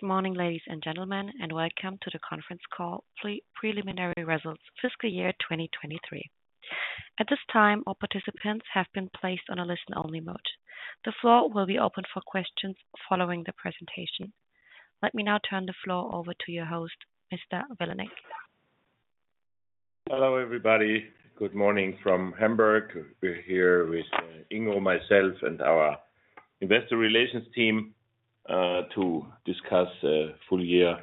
Good morning, ladies and gentlemen, and welcome to the conference call, preliminary results, fiscal year 2023. At this time, all participants have been placed on a listen-only mode. The floor will be open for questions following the presentation. Let me now turn the floor over to your host, Mr. Vilanek. Hello, everybody. Good morning from Hamburg. We're here with Ingo, myself, and our investor relations team to discuss full year,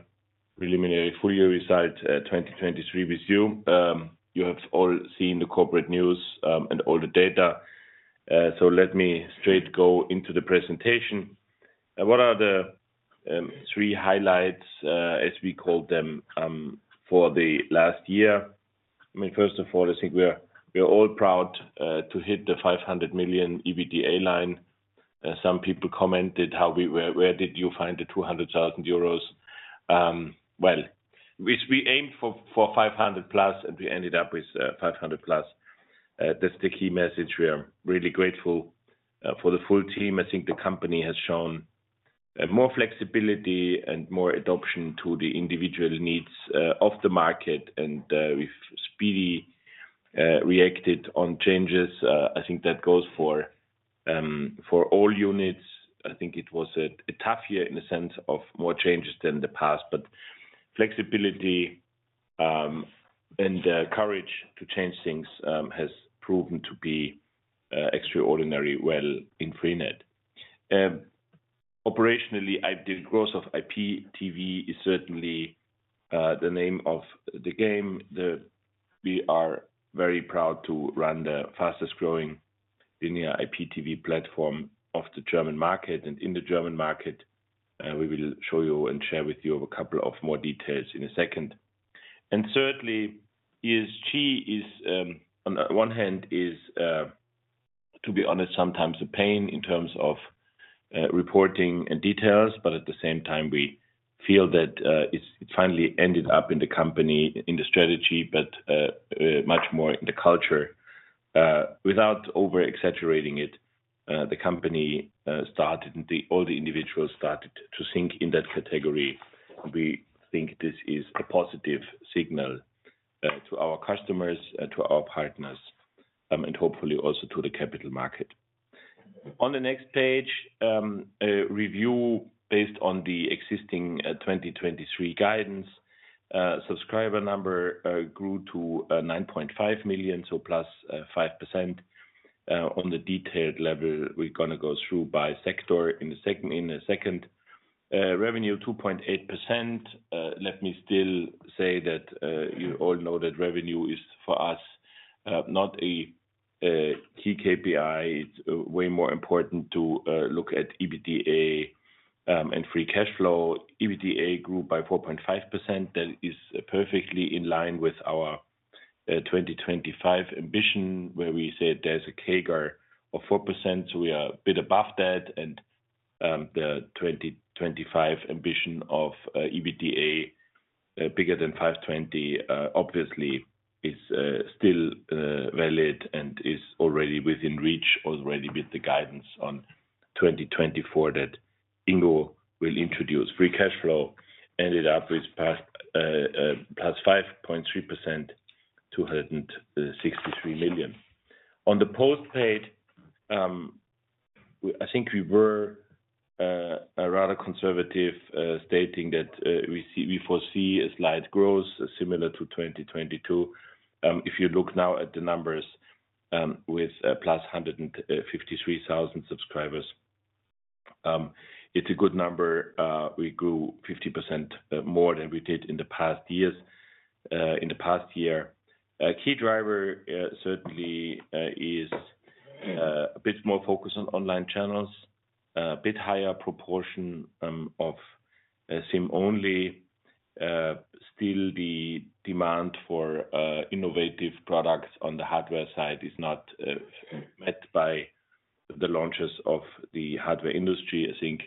preliminary full year results 2023 with you. You have all seen the corporate news and all the data, so let me straight go into the presentation. And what are the three highlights, as we call them, for the last year? I mean, first of all, I think we are, we are all proud to hit the 500 million EBITDA line. Some people commented, how we were, "Where did you find the 200,000 euros?" Well, which we aimed for, for 500+, and we ended up with 500+. That's the key message. We are really grateful for the full team. I think the company has shown more flexibility and more adoption to the individual needs of the market, and we've speedily reacted on changes. I think that goes for all units. I think it was a tough year in the sense of more changes than the past, but flexibility and courage to change things has proven to be extraordinarily well in freenet. Operationally, the growth of IPTV is certainly the name of the game. We are very proud to run the fastest-growing linear IPTV platform of the German market, and in the German market, we will show you and share with you a couple of more details in a second. Certainly, ESG is, on the one hand, to be honest, sometimes a pain in terms of reporting and details, but at the same time, we feel that it's finally ended up in the company, in the strategy, but much more in the culture. Without over-exaggerating it, the company started, all the individuals started to think in that category. We think this is a positive signal to our customers and to our partners, and hopefully also to the capital market. On the next page, a review based on the existing 2023 guidance. Subscriber number grew to 9.5 million, so 5%+. On the detailed level, we're gonna go through by sector in a second. Revenue, 2.8%. Let me still say that you all know that revenue is, for us, not a key KPI. It's way more important to look at EBITDA and free cash flow. EBITDA grew by 4.5%. That is perfectly in line with our 2025 ambition, where we said there's a CAGR of 4%, so we are a bit above that. The 2025 ambition of EBITDA bigger than 520 million obviously is still valid and is already within reach, already with the guidance on 2024 that Ingo will introduce. Free cash flow ended up with plus 5.3%, 263 million. On the postpaid, I think we were a rather conservative stating that we foresee a slight growth similar to 2022. If you look now at the numbers, with +153,000 subscribers, it's a good number. We grew 50% more than we did in the past years, in the past year. A key driver certainly is a bit more focused on online channels, a bit higher proportion of SIM-only. Still the demand for innovative products on the hardware side is not met by the launches of the hardware industry. I think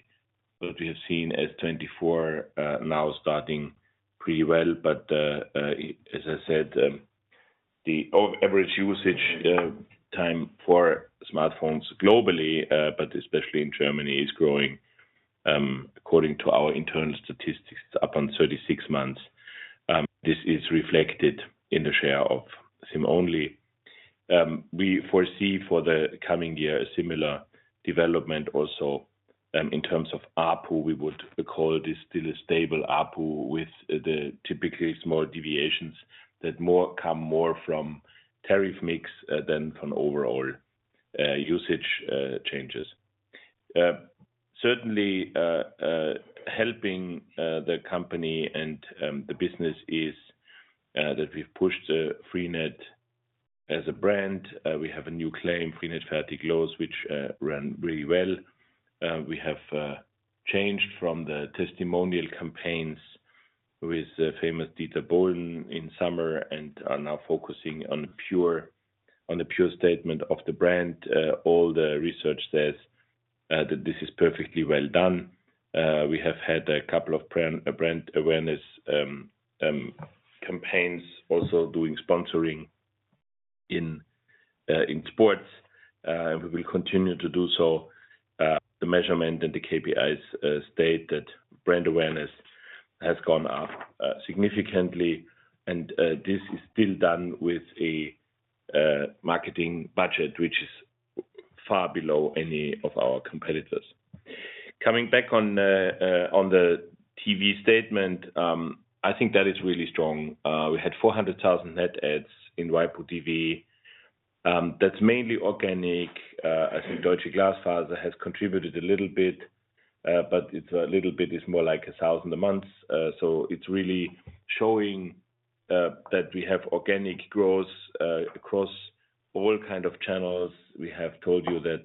what we have seen in 2024 now starting pretty well, but, as I said, the average usage time for smartphones globally, but especially in Germany, is growing, according to our internal statistics, up on 36 months. This is reflected in the share of SIM-only. We foresee for the coming year, a similar development also, in terms of ARPU, we would call this still a stable ARPU with the typically small deviations that come more from tariff mix, than from overall, usage, changes. Certainly, helping the company and the business is that we've pushed the freenet as a brand. We have a new claim, freenet, fertig, los!, which ran really well. We have changed from the testimonial campaigns with the famous Dieter Bohlen in summer and are now focusing on the pure statement of the brand. All the research says that this is perfectly well done. We have had a couple of brand awareness campaigns, also doing sponsoring in sports. We will continue to do so. The measurement and the KPIs state that brand awareness has gone up significantly, and this is still done with a marketing budget, which is far below any of our competitors. Coming back on the TV statement, I think that is really strong. We had 400,000 net adds in waipu.tv. That's mainly organic, as in Deutsche Glasfaser has contributed a little bit, but it's a little bit more like 1,000 a month. So it's really showing that we have organic growth across all kind of channels. We have told you that,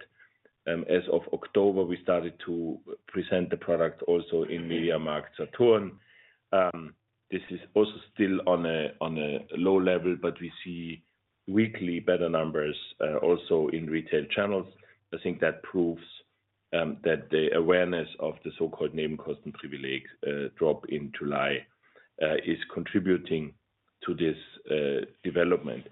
as of October, we started to present the product also in MediaMarktSaturn. This is also still on a low level, but we see weekly better numbers, also in retail channels. I think that proves that the awareness of the so-called Nebenkostenprivileg drop in July is contributing to this development.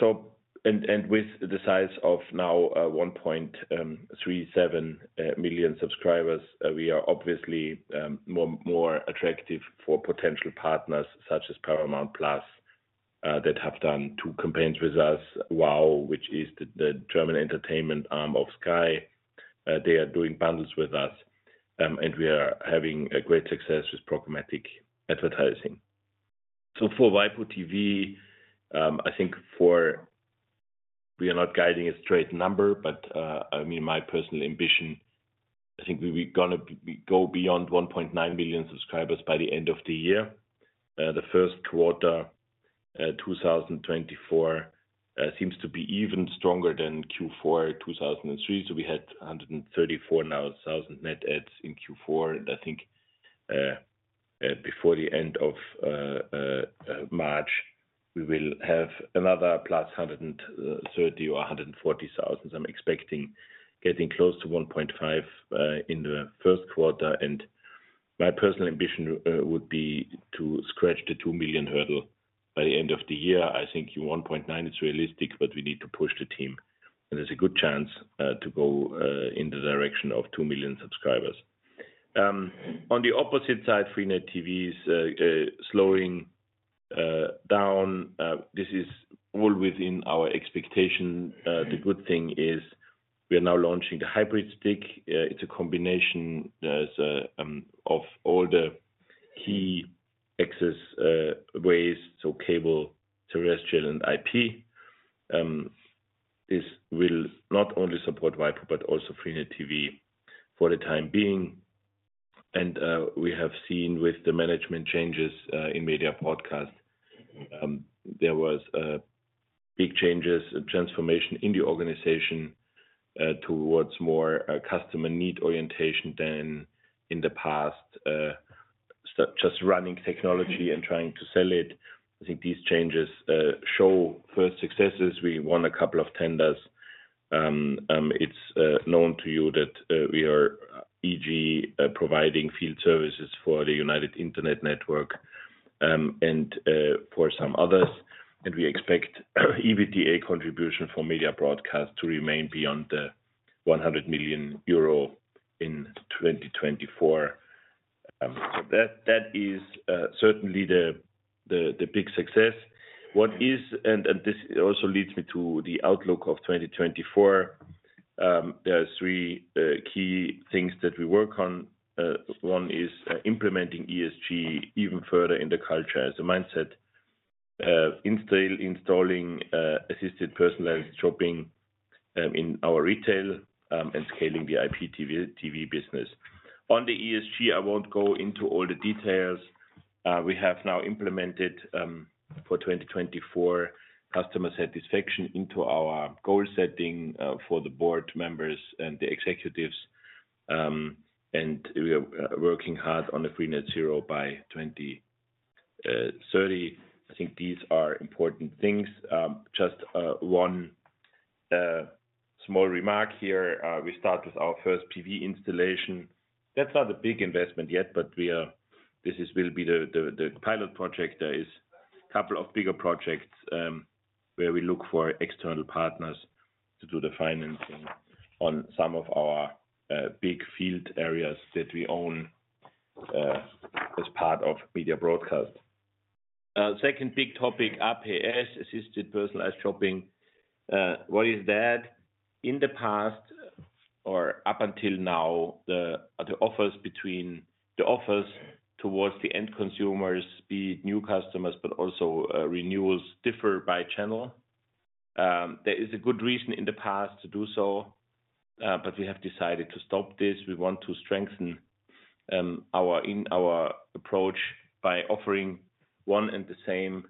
So, with the size of now 1.37 million subscribers, we are obviously more attractive for potential partners such as Paramount Plus that have done two campaigns with us. WOW, which is the German entertainment arm of Sky. They are doing bundles with us, and we are having a great success with programmatic advertising. So for waipu.tv, I think we are not guiding a straight number, but I mean, my personal ambition, I think we gonna go beyond 1.9 million subscribers by the end of the year. The first quarter 2024 seems to be even stronger than Q4 2023. So we had 134 thousand net adds in Q4, and I think before the end of March, we will have another +130 or 140 thousand. I'm expecting getting close to 1.5 in the first quarter, and my personal ambition would be to scratch the 2 million hurdle by the end of the year. I think 1.9 is realistic, but we need to push the team, and there's a good chance to go in the direction of 2 million subscribers. On the opposite side, freenet TV is slowing down. This is all within our expectation. The good thing is, we are now launching the hybrid stick. It's a combination so of all the key access ways, so cable, terrestrial, and IP. This will not only support waipu.tv, but also freenet TV for the time being. We have seen with the management changes in Media Broadcast, there was big changes, transformation in the organization towards more customer need orientation than in the past, just running technology and trying to sell it. I think these changes show first successes. We won a couple of tenders. It's known to you that we are providing field services for the United Internet network, and for some others. And we expect EBITDA contribution for Media Broadcast to remain beyond the 100 million euro in 2024. That is certainly the big success. And this also leads me to the outlook of 2024. There are three key things that we work on. One is implementing ESG even further in the culture as a mindset. Installing assisted personalized shopping in our retail and scaling the IPTV TV business. On the ESG, I won't go into all the details. We have now implemented, for 2024, customer satisfaction into our goal setting for the board members and the executives. And we are working hard on the freenet zero by 2030. I think these are important things. Just one small remark here. We start with our first PV installation. That's not a big investment yet, but we are—this will be the pilot project. There is a couple of bigger projects, where we look for external partners to do the financing on some of our, big field areas that we own, as part of Media Broadcast. Second big topic, APS, Assisted Personalized Shopping. What is that? In the past, or up until now, the difference between the offers towards the end consumers, be it new customers, but also, renewals differ by channel. There is a good reason in the past to do so, but we have decided to stop this. We want to strengthen our approach by offering one and the same,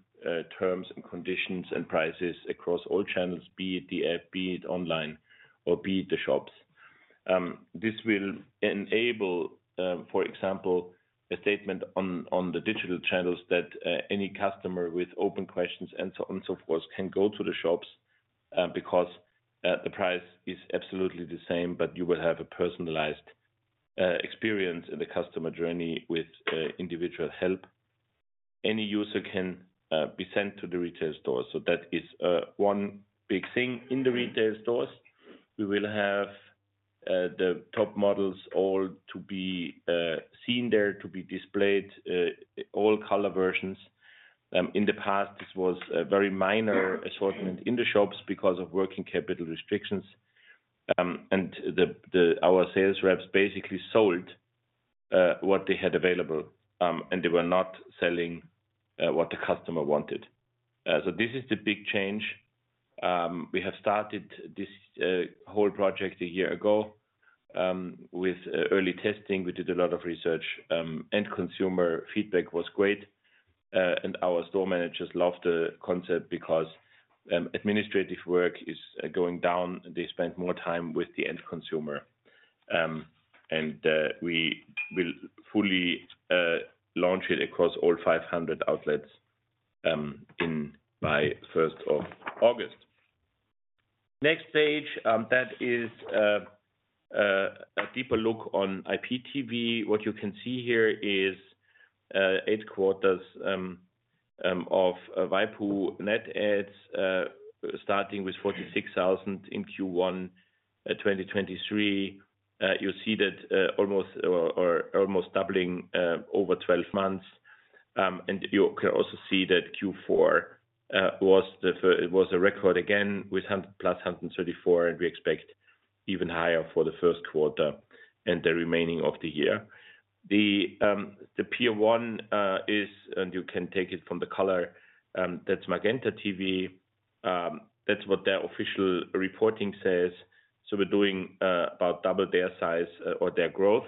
terms and conditions and prices across all channels, be it the app, be it online, or be it the shops. This will enable, for example, a statement on the digital channels that any customer with open questions and so on and so forth can go to the shops because the price is absolutely the same, but you will have a personalized experience in the customer journey with individual help. Any user can be sent to the retail store. So that is one big thing. In the retail stores, we will have the top models all to be seen there, to be displayed, all color versions. In the past, this was a very minor assortment in the shops because of working capital restrictions. And our sales reps basically sold what they had available, and they were not selling what the customer wanted. So this is the big change. We have started this whole project a year ago with early testing. We did a lot of research, end consumer feedback was great, and our store managers love the concept because administrative work is going down, they spend more time with the end consumer. We will fully launch it across all 500 outlets by first of August. Next page, that is a deeper look on IPTV. What you can see here is 8 quarters of waipu net adds, starting with 46,000 in Q1 2023. You see that almost doubling over 12 months. And you can also see that Q4 was a record again, with 100 + 134, and we expect even higher for the first quarter and the remaining of the year. The peer one is, and you can take it from the color, that's MagentaTV. That's what their official reporting says. So we're doing about double their size or their growth.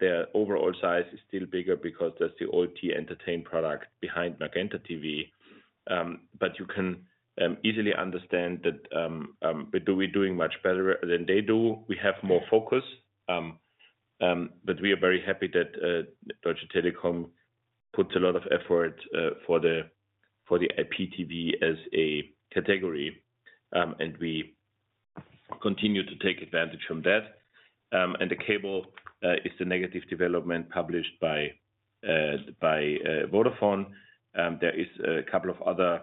Their overall size is still bigger because that's the OTT entertainment product behind MagentaTV. But you can easily understand that we're doing much better than they do. We have more focus, but we are very happy that Deutsche Telekom puts a lot of effort for the IPTV as a category. And we continue to take advantage from that. The cable is the negative development published by Vodafone. There is a couple of other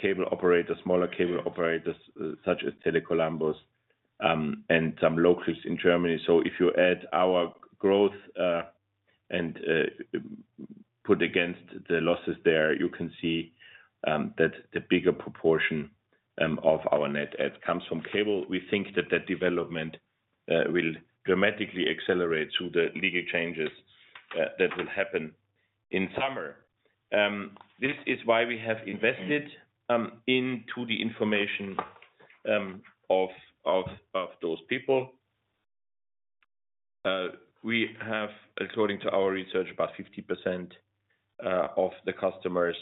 cable operators, smaller cable operators, such as Tele Columbus, and some locals in Germany. If you add our growth, and put against the losses there, you can see that the bigger proportion of our net adds comes from cable. We think that the development will dramatically accelerate through the legal changes that will happen in summer. This is why we have invested into the information of those people. We have, according to our research, about 50% of the customers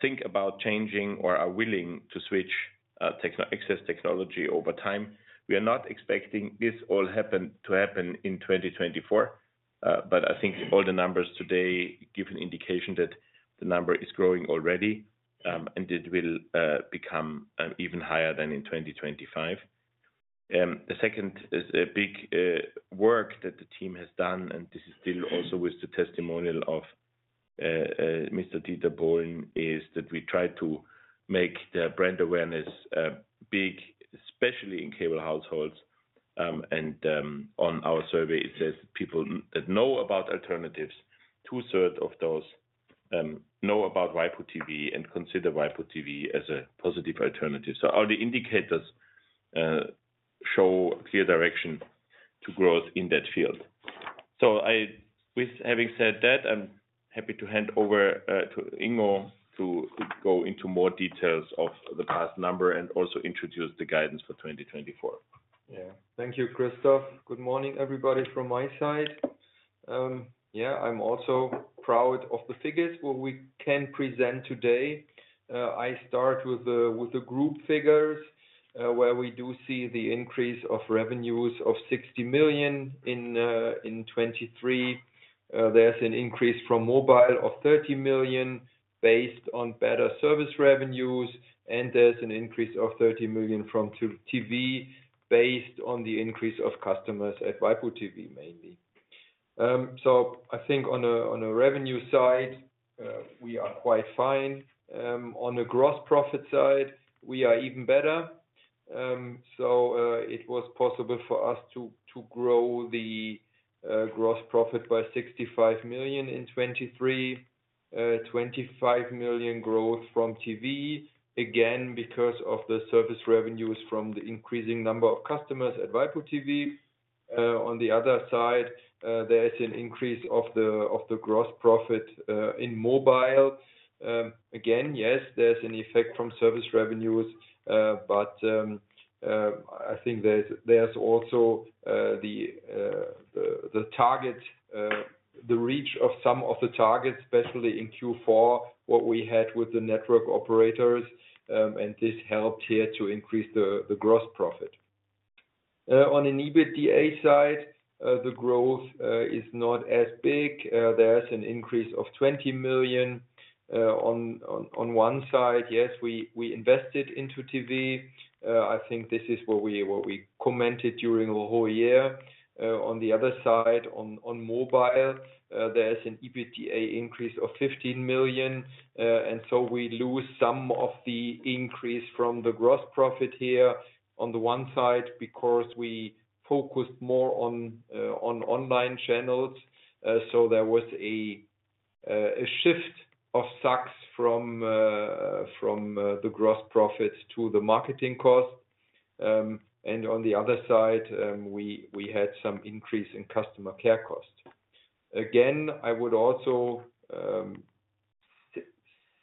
think about changing or are willing to switch techno-access technology over time. We are not expecting this all happen, to happen in 2024, but I think all the numbers today give an indication that the number is growing already, and it will, become, even higher than in 2025. The second is a big, work that the team has done, and this is still also with the testimonial of, Mr. Dieter Bohlen, is that we try to make the brand awareness, big, especially in cable households. And, on our survey, it says people that know about alternatives, two-thirds of those, know about waipu.tv and consider waipu.tv as a positive alternative. So all the indicators, show clear direction to growth in that field. With having said that, I'm happy to hand over to Ingo to go into more details of the past number and also introduce the guidance for 2024. Yeah. Thank you, Christoph. Good morning, everybody, from my side. Yeah, I'm also proud of the figures what we can present today. I start with the group figures, where we do see the increase of revenues of 60 million in 2023. There's an increase from mobile of 30 million, based on better service revenues, and there's an increase of 30 million from TV, based on the increase of customers at waipu.tv, mainly. So I think on a revenue side, we are quite fine. On the gross profit side, we are even better. So it was possible for us to grow the gross profit by 65 million in 2023, 25 million growth from TV, again, because of the service revenues from the increasing number of customers at waipu.tv. On the other side, there is an increase of the gross profit in mobile. Again, yes, there's an effect from service revenues, but I think there's also the target the reach of some of the targets, especially in Q4, what we had with the network operators, and this helped here to increase the gross profit. On an EBITDA side, the growth is not as big. There is an increase of 20 million on one side. Yes, we invested into TV. I think this is what we commented during the whole year. On the other side, on mobile, there is an EBITDA increase of 15 million. So we lose some of the increase from the gross profit here on the one side, because we focused more on online channels. So there was a shift of stocks from the gross profits to the marketing costs. And on the other side, we had some increase in customer care costs. Again, I would also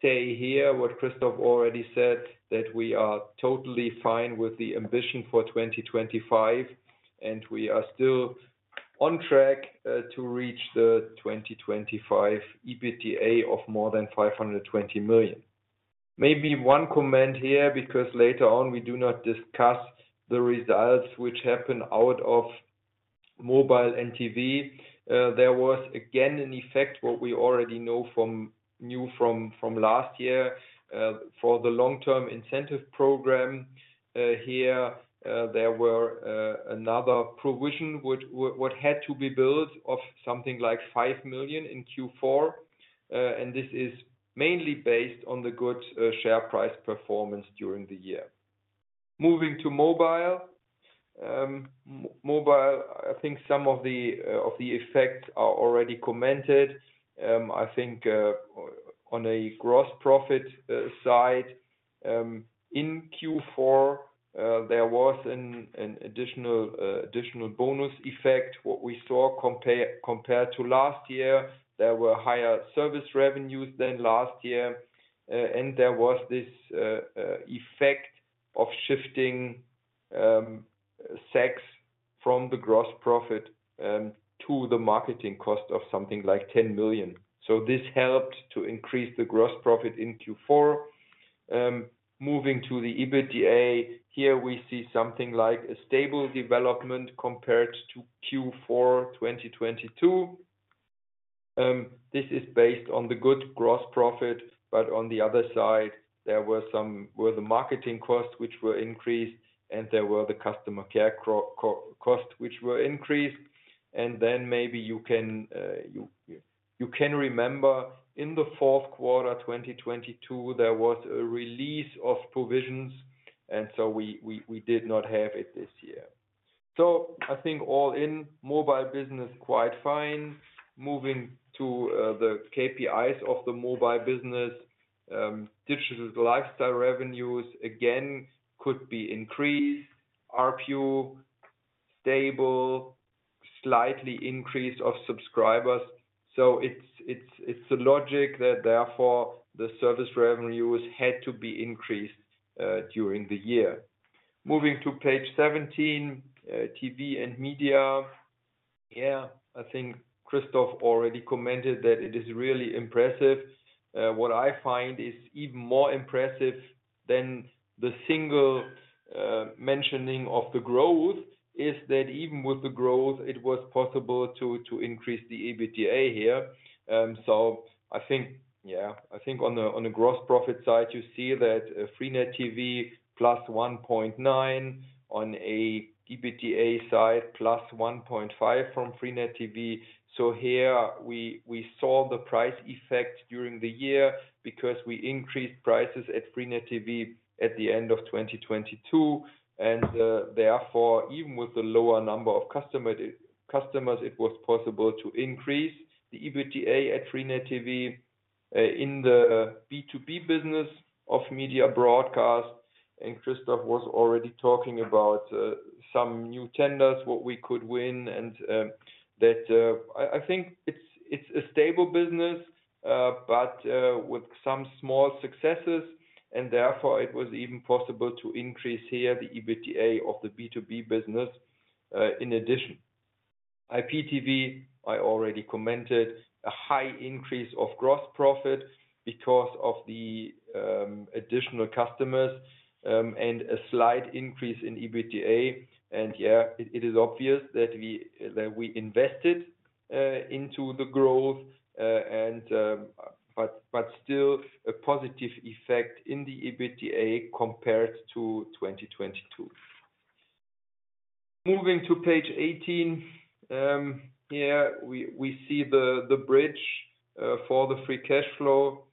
say here what Christoph already said, that we are totally fine with the ambition for 2025, and we are still on track to reach the 2025 EBITDA of more than 520 million. Maybe one comment here, because later on, we do not discuss the results which happen out of mobile NTV. There was, again, an effect, what we already know from last year, for the long-term incentive program. Here, there were another provision, which what had to be built of something like 5 million in Q4. And this is mainly based on the good share price performance during the year. Moving to mobile. Mobile, I think some of the effects are already commented. I think, on a gross profit side, in Q4, there was an additional bonus effect. What we saw compared to last year, there were higher service revenues than last year, and there was this effect of shifting some from the gross profit to the marketing cost of something like 10 million. So this helped to increase the gross profit in Q4. Moving to the EBITDA, here we see something like a stable development compared to Q4 2022. This is based on the good gross profit, but on the other side, there were some marketing costs, which were increased, and there were the customer care costs, which were increased. And then maybe you can remember in the fourth quarter, 2022, there was a release of provisions, and so we did not have it this year. So I think all in mobile business, quite fine. Moving to the KPIs of the mobile business, digital lifestyle revenues, again, could be increased. ARPU, stable, slightly increase of subscribers. So it's the logic that therefore, the service revenues had to be increased during the year. Moving to page 17, TV and Media. Yeah, I think Christoph already commented that it is really impressive. What I find is even more impressive than the single mentioning of the growth, is that even with the growth, it was possible to increase the EBITDA here. So I think, yeah, I think on the gross profit side, you see that Freenet TV, plus 1.9 on a EBITDA side, plus 1.5 from Freenet TV. So here we saw the price effect during the year because we increased prices at Freenet TV at the end of 2022. And therefore, even with the lower number of customers, it was possible to increase the EBITDA at Freenet TV in the B2B business of Media Broadcast. And Christoph was already talking about some new tenders, what we could win, and that... I think it's a stable business, but with some small successes, and therefore, it was even possible to increase here the EBITDA of the B2B business, in addition. IPTV, I already commented, a high increase of gross profit because of the additional customers, and a slight increase in EBITDA. And, yeah, it is obvious that we invested into the growth, and but still a positive effect in the EBITDA compared to 2022. Moving to page 18, yeah, we see the bridge for the free cash flow.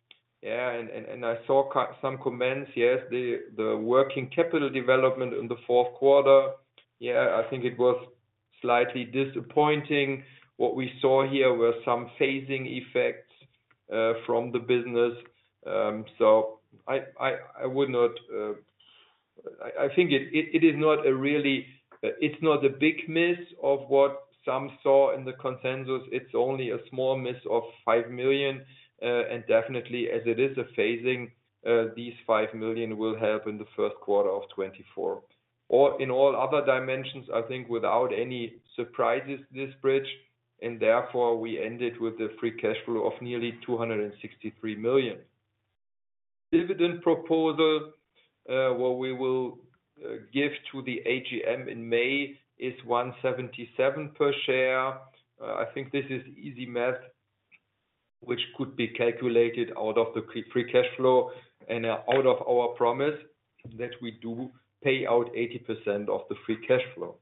Yeah, and I saw some comments. Yes, the working capital development in the fourth quarter, yeah, I think it was slightly disappointing. What we saw here were some phasing effects from the business. So I would not, I think it is not a really, it's not a big miss of what some saw in the consensus. It's only a small miss of 5 million, and definitely as it is a phasing, these 5 million will help in the first quarter of 2024. Or in all other dimensions, I think, without any surprises, this bridge, and therefore, we ended with the free cash flow of nearly 263 million. Dividend proposal, what we will give to the AGM in May is 1.77 per share. I think this is easy math, which could be calculated out of the pre-free cash flow and out of our promise that we do pay out 80% of the free cash flow.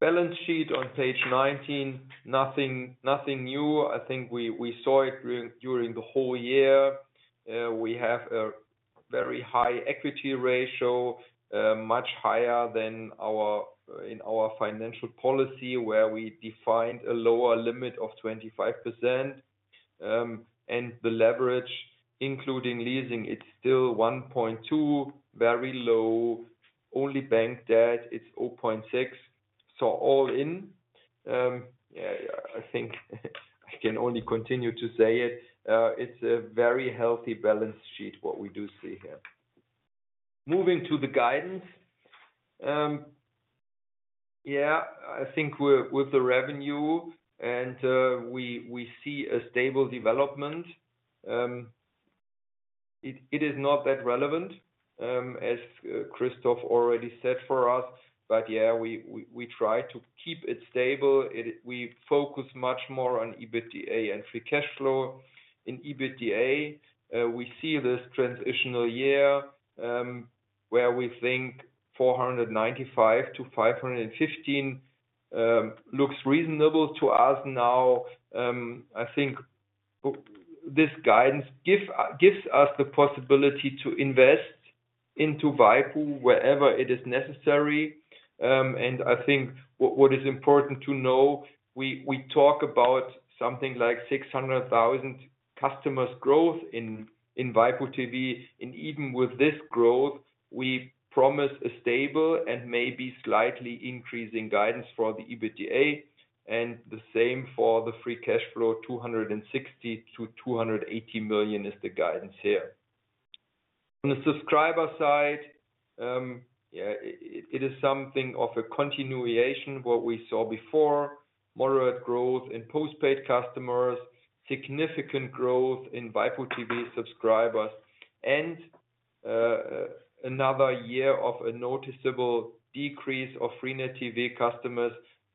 Balance sheet on page 19, nothing new. I think we, we saw it during the whole year. We have a very high equity ratio, much higher than our, in our financial policy, where we defined a lower limit of 25%. And the leverage, including leasing, it's still 1.2, very low, only bank debt, it's 0.6. So all in, yeah, I think I can only continue to say it, it's a very healthy balance sheet, what we do see here. Moving to the guidance. Yeah, I think with, with the revenue and, we, we see a stable development. It is not that relevant, as Christoph already said for us, but yeah, we, we, we try to keep it stable. We focus much more on EBITDA and free cash flow. In EBITDA, we see this transitional year, where we think 495 million-515 million looks reasonable to us now. I think this guidance gives us the possibility to invest into waipu.tv, wherever it is necessary. And I think what is important to know, we talk about something like 600,000 customers growth in waipu.tv, and even with this growth, we promise a stable and maybe slightly increasing guidance for the EBITDA, and the same for the free cash flow, 260 million-280 million is the guidance here. On the subscriber side, yeah, it is something of a continuation of what we saw before. Moderate growth in postpaid customers, significant growth in waipu.tv subscribers, and another year of a noticeable decrease of freenet TV customers.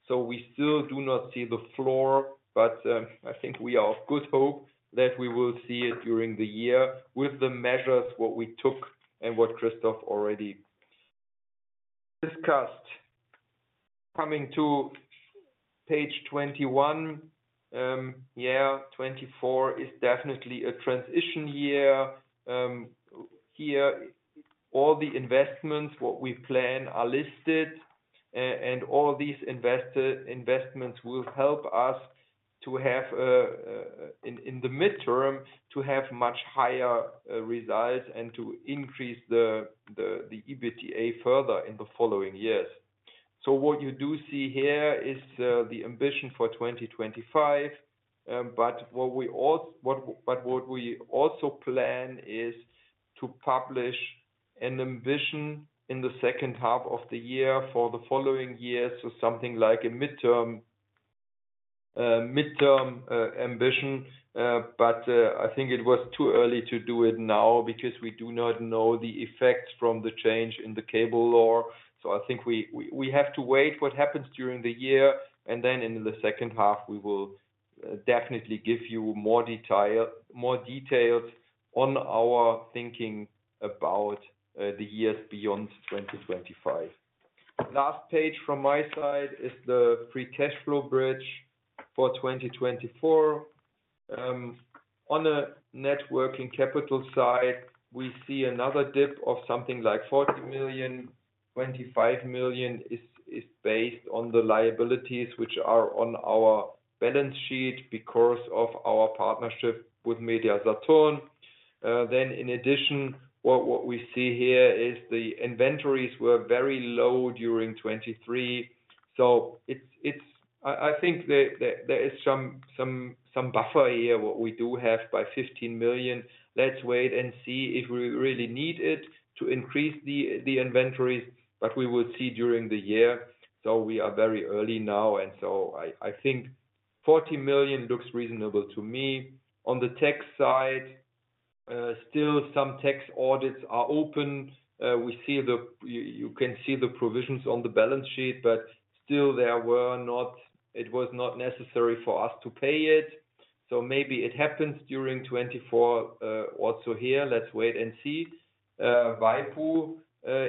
So we still do not see the floor, but I think we are of good hope that we will see it during the year with the measures what we took and what Christoph already discussed. Coming to page 21. Yeah, 2024 is definitely a transition year. Here, all the investments what we plan are listed, and all these investments will help us to have, in the midterm, to have much higher results and to increase the EBITDA further in the following years. So what you do see here is, the ambition for 2025, but what we also plan is to publish an ambition in the second half of the year for the following years, so something like a midterm, midterm, ambition. But, I think it was too early to do it now because we do not know the effects from the change in the cable law. So I think we have to wait, what happens during the year, and then in the second half, we will definitely give you more detail, more details on our thinking about, the years beyond 2025. Last page from my side is the free cash flow bridge for 2024. On a net working capital side, we see another dip of something like 40 million. 25 million is based on the liabilities, which are on our balance sheet because of our partnership with Media-Saturn. Then in addition, what we see here is the inventories were very low during 2023. So it's—I think there is some buffer here, what we have by 15 million. Let's wait and see if we really need it to increase the inventories, but we will see during the year. So we are very early now, and I think 40 million looks reasonable to me. On the tax side, still some tax audits are open. We see the. You can see the provisions on the balance sheet, but still it was not necessary for us to pay it, so maybe it happens during 2024, also here. Let's wait and see. waipu.tv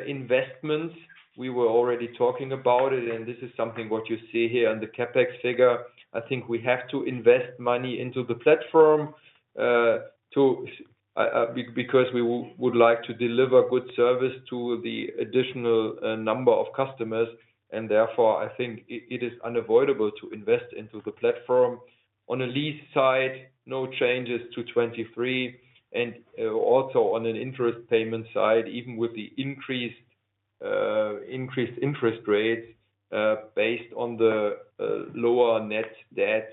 investments, we were already talking about it, and this is something what you see here on the CapEx figure. I think we have to invest money into the platform because we would like to deliver good service to the additional number of customers, and therefore, I think it is unavoidable to invest into the platform. On a lease side, no changes to 2023, and also on an interest payment side, even with the increased interest rates based on the lower net debt,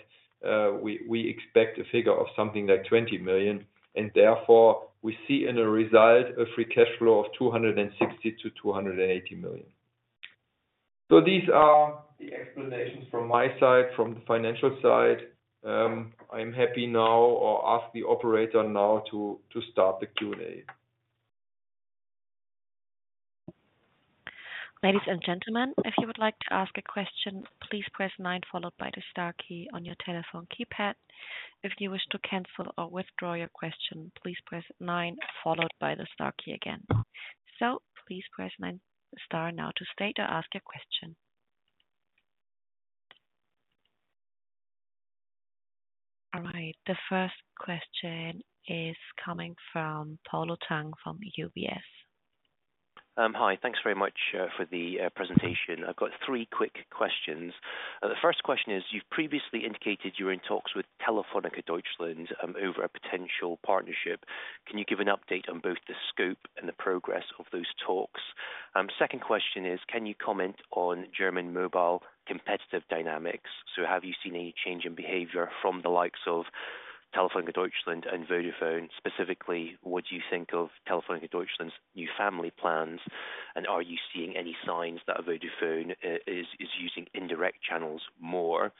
we expect a figure of something like 20 million, and therefore, we see in a result a free cash flow of 260 million-280 million. So these are the explanations from my side, from the financial side. I'm happy now to ask the operator now to start the Q&A. Ladies and gentlemen, if you would like to ask a question, please press nine followed by the star key on your telephone keypad. If you wish to cancel or withdraw your question, please press nine followed by the star key again. So please press nine star now to state or ask your question. All right, the first question is coming from Polo Tang from UBS. Hi, thanks very much for the presentation. I've got three quick questions. The first question is, you've previously indicated you're in talks with Telefónica Deutschland over a potential partnership. Can you give an update on both the scope and the progress of those talks? Second question is, can you comment on German mobile competitive dynamics? So have you seen any change in behavior from the likes of Telefónica Deutschland and Vodafone? Specifically, what do you think of Telefónica Deutschland's new family plans, and are you seeing any signs that Vodafone is using indirect channels more?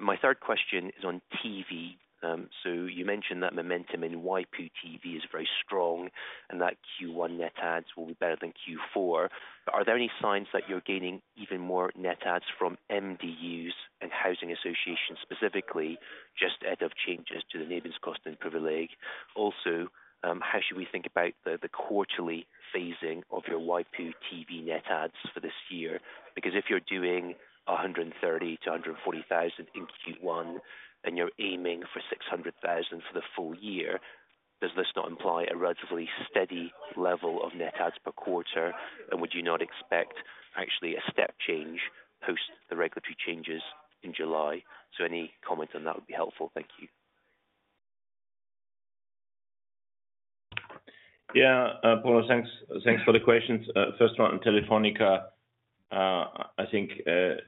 My third question is on TV. So you mentioned that momentum in IPTV is very strong and that Q1 net adds will be better than Q4. Are there any signs that you're gaining even more net adds from MDUs and housing associations, specifically, just ahead of changes to the Nebenkostenprivileg? Also, how should we think about the quarterly phasing of your waipu.tv net adds for this year? Because if you're doing 130-140 thousand in Q1, and you're aiming for 600,000 for the full year, does this not imply a relatively steady level of net adds per quarter? And would you not expect actually a step change post the regulatory changes in July? So any comment on that would be helpful. Thank you. Yeah, Paulo, thanks. Thanks for the questions. First one, Telefónica, I think,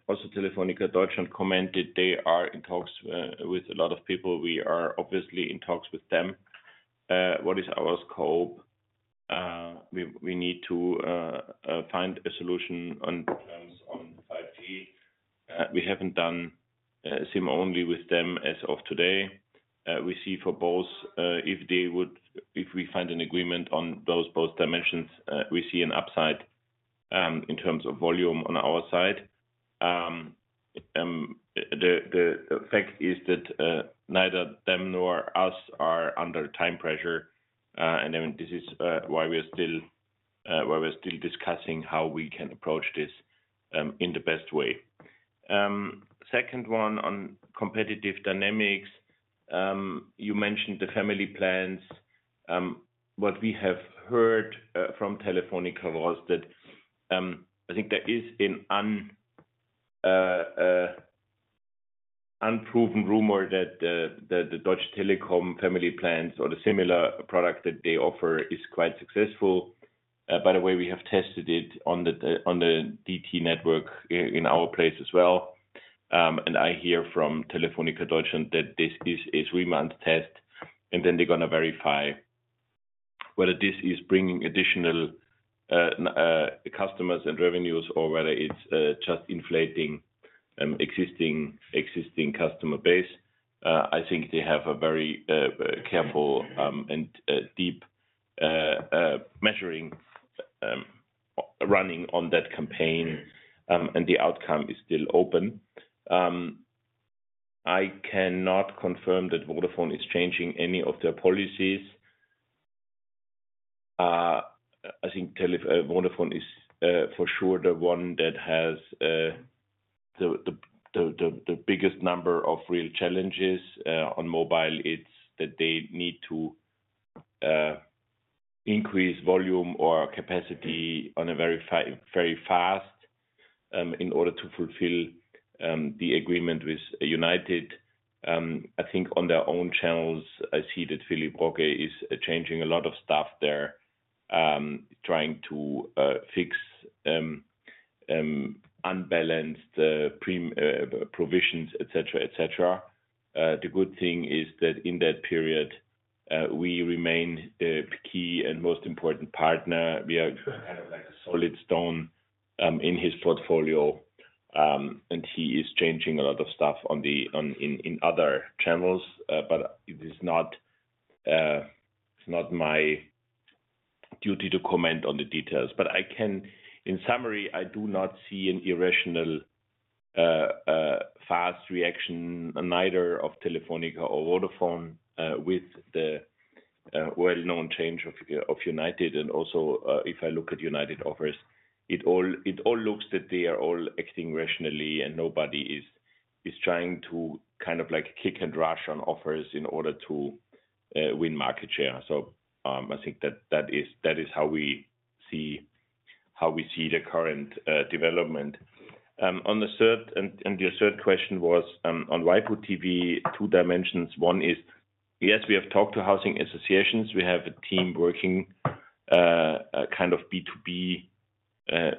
also Telefónica Deutschland commented they are in talks with a lot of people. We are obviously in talks with them. What is our scope? We need to find a solution on terms on 5G. We haven't done SIM-only with them as of today. We see for both, if they would—if we find an agreement on those both dimensions, we see an upside in terms of volume on our side. The fact is that neither them nor us are under time pressure, and then this is why we are still, why we're still discussing how we can approach this in the best way. Second one, on competitive dynamics. You mentioned the family plans. What we have heard from Telefónica was that I think there is an unproven rumor that the Deutsche Telekom family plans or the similar product that they offer is quite successful. By the way, we have tested it on the DT network in our place as well. And I hear from Telefónica Deutschland that this is a three-month test, and then they're gonna verify whether this is bringing additional customers and revenues, or whether it's just inflating existing customer base. I think they have a very careful and deep measuring running on that campaign, and the outcome is still open. I cannot confirm that Vodafone is changing any of their policies. I think Tele-- Vodafone is, for sure, the one that has the biggest number of real challenges on mobile. It's that they need to increase volume or capacity on a very fast in order to fulfill the agreement with United. I think on their own channels, I see that Philipp Rogge is changing a lot of stuff there, trying to fix unbalanced pre provisions, et cetera, et cetera. The good thing is that in that period, we remain the key and most important partner. We are kind of like a solid stone in his portfolio, and he is changing a lot of stuff in other channels, but it's not my duty to comment on the details. But in summary, I do not see an irrational fast reaction, neither of Telefónica or Vodafone, with the well-known change of United. And also, if I look at United offers, it all looks that they are all acting rationally and nobody is trying to kind of like kick and rush on offers in order to win market share. So, I think that is how we see the current development. On the third and your third question was on waipu.tv, two dimensions. One is, yes, we have talked to housing associations. We have a team working kind of B2B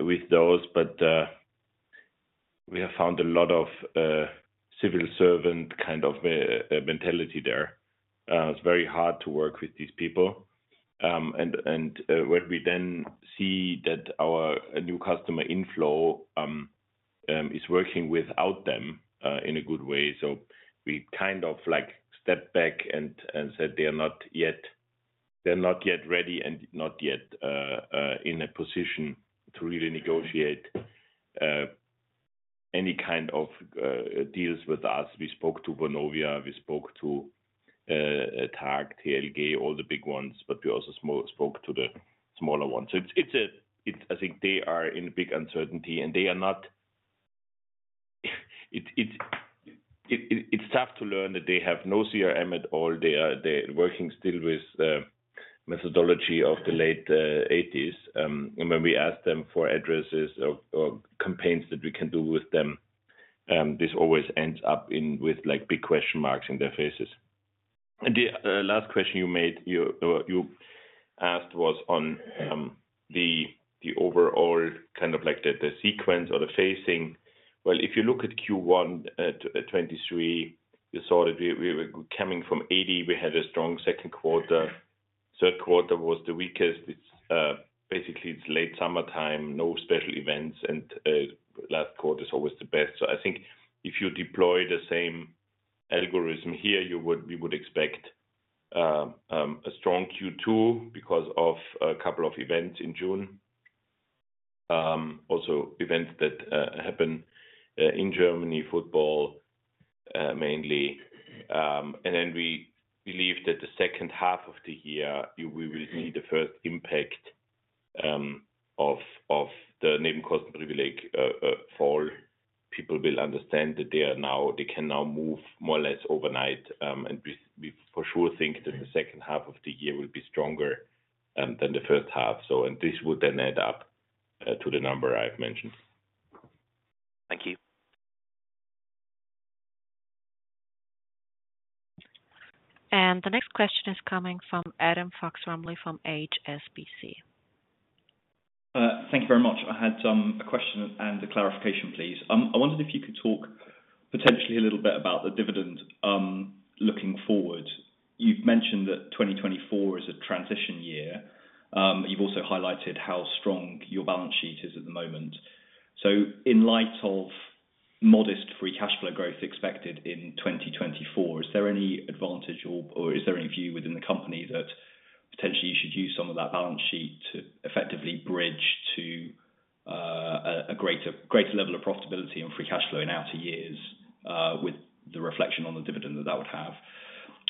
with those, but we have found a lot of civil servant kind of mentality there. It's very hard to work with these people. And when we then see that our new customer inflow is working without them in a good way, so we kind of, like, step back and said, "They are not yet-- they're not yet ready and not yet in a position to really negotiate any kind of deals with us." We spoke to Vonovia, we spoke to TAG, TLG, all the big ones, but we also spoke to the smaller ones. So it's a big uncertainty, and they are not... It's tough to learn that they have no CRM at all. They are, they're working still with methodology of the late eighties. And when we ask them for addresses or campaigns that we can do with them, this always ends up with, like, big question marks in their faces. And the last question you made, you asked was on the overall kind of like the sequence or the phasing. Well, if you look at Q1 2023, you saw that we were coming from 80. We had a strong second quarter. Third quarter was the weakest. It's basically it's late summertime, no special events, and last quarter is always the best. So I think if you deploy the same algorithm here, we would expect a strong Q2 because of a couple of events in June. Also events that happen in Germany, football mainly. And then we believe that the second half of the year, we will see the first impact of the Nebenkostenprivileg fall. People will understand that they are now, they can now move more or less overnight. And we for sure think that the second half of the year will be stronger than the first half. So, and this would then add up to the number I've mentioned. Thank you. The next question is coming from Adam Fox-Rumley, from HSBC. Thank you very much. I had a question and a clarification, please. I wondered if you could talk potentially a little bit about the dividend, looking forward. You've mentioned that 2024 is a transition year. You've also highlighted how strong your balance sheet is at the moment. So in light of modest free cash flow growth expected in 2024, is there any advantage or, or is there any view within the company that potentially you should use some of that balance sheet to effectively bridge to, a, a greater, greater level of profitability and free cash flow in outer years, with the reflection on the dividend that that would have?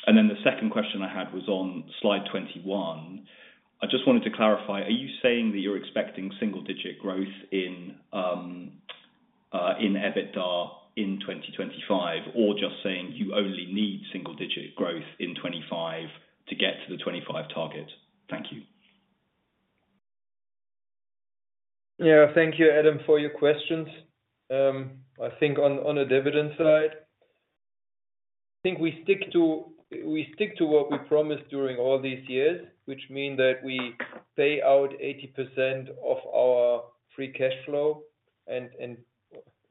And then the second question I had was on slide 21. I just wanted to clarify, are you saying that you're expecting single-digit growth in EBITDA in 2025, or just saying you only need single-digit growth in 2025 to get to the 25 target? Thank you. Yeah, thank you, Adam, for your questions. I think on a dividend side, I think we stick to what we promised during all these years, which mean that we pay out 80% of our free cash flow, and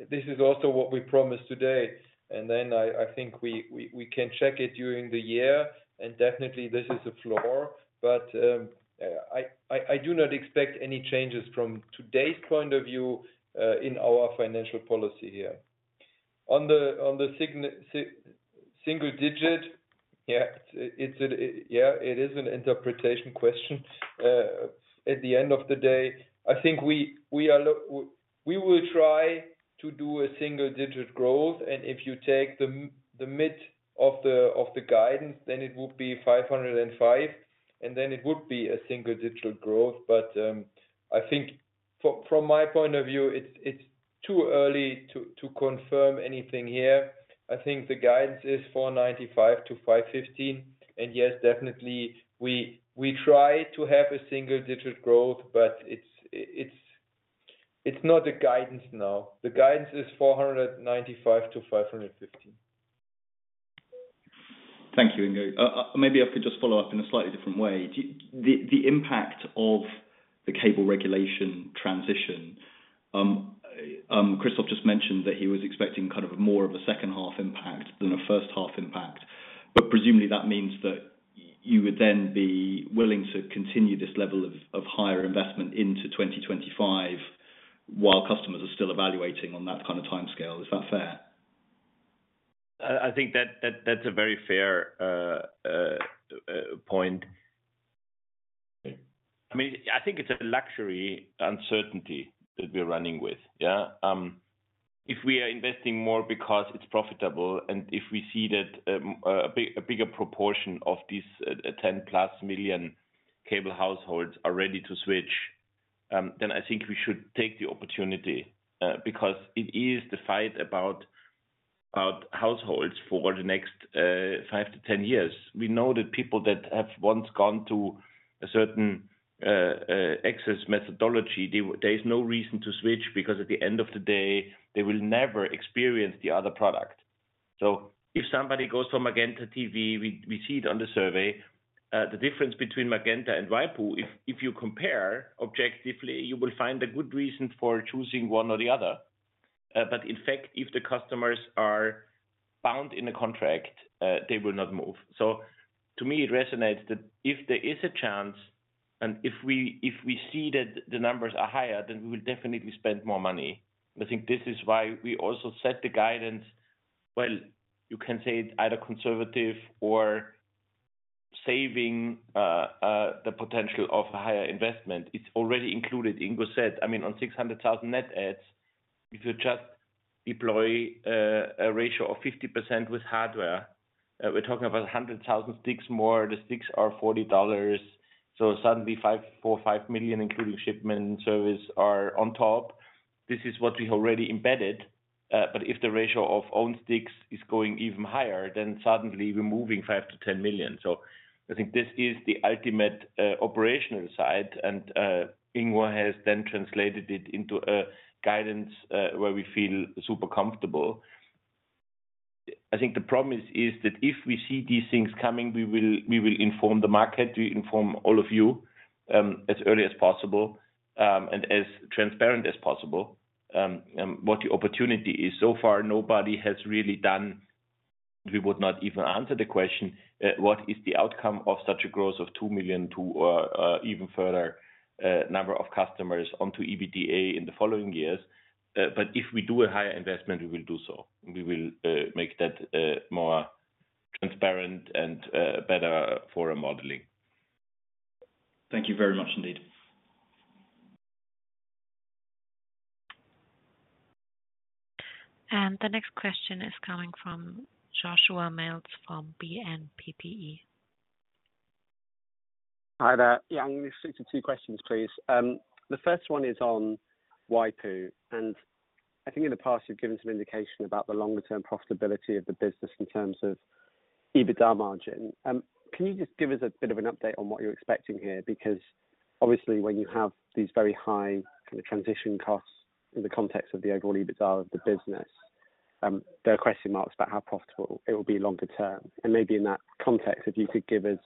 this is also what we promised today. And then, I think we can check it during the year, and definitely this is a floor. But I do not expect any changes from today's point of view in our financial policy here. On the single digit, yeah, it's a yeah, it is an interpretation question. At the end of the day, I think we will try to do a single digit growth, and if you take the mid of the guidance, then it would be 505, and then it would be a single digit growth. But I think from my point of view, it's too early to confirm anything here. I think the guidance is 495-515. And yes, definitely we try to have a single digit growth, but it's not a guidance now. The guidance is 495-550. Thank you, Ingo. Maybe I could just follow up in a slightly different way. The impact of the cable regulation transition, Christoph just mentioned that he was expecting kind of more of a second half impact than a first half impact. But presumably, that means that you would then be willing to continue this level of higher investment into 2025, while customers are still evaluating on that kind of timescale. Is that fair? I think that that's a very fair point. I mean, I think it's a luxury uncertainty that we're running with, yeah? If we are investing more because it's profitable, and if we see that a bigger proportion of these 10+ million cable households are ready to switch, then I think we should take the opportunity, because it is the fight about households for the next five-10 years. We know that people that have once gone to a certain access methodology, there is no reason to switch, because at the end of the day, they will never experience the other product.... So if somebody goes from MagentaTV, we see it on the survey. The difference between Magenta and Waipu, if you compare objectively, you will find a good reason for choosing one or the other. But in fact, if the customers are bound in a contract, they will not move. So to me, it resonates that if there is a chance, and if we, if we see that the numbers are higher, then we will definitely spend more money. I think this is why we also set the guidance. Well, you can say it's either conservative or saving, the potential of a higher investment. It's already included. Ingo said, I mean, on 600,000 net adds, if you just deploy, a ratio of 50% with hardware, we're talking about 100,000 sticks more. The sticks are $40, so suddenly 4-5 million, including shipment and service, are on top. This is what we already embedded. But if the ratio of own sticks is going even higher, then suddenly we're moving $5-10 million. So I think this is the ultimate operational side, and Ingo has then translated it into a guidance where we feel super comfortable. I think the problem is that if we see these things coming, we will inform the market, we inform all of you as early as possible and as transparent as possible what the opportunity is. So far, nobody has really done. We would not even answer the question what is the outcome of such a growth of 2 million to even further number of customers onto EBITDA in the following years? But if we do a higher investment, we will do so. We will make that more transparent and better for a modeling. Thank you very much, indeed. The next question is coming from Joshua Mills, from BNPPE. Hi there. Yeah, I'm going to stick to two questions, please. The first one is on Waipu, and I think in the past, you've given some indication about the longer-term profitability of the business in terms of EBITDA margin. Can you just give us a bit of an update on what you're expecting here? Because obviously, when you have these very high transition costs in the context of the overall EBITDA of the business, there are question marks about how profitable it will be longer term. And maybe in that context, if you could give us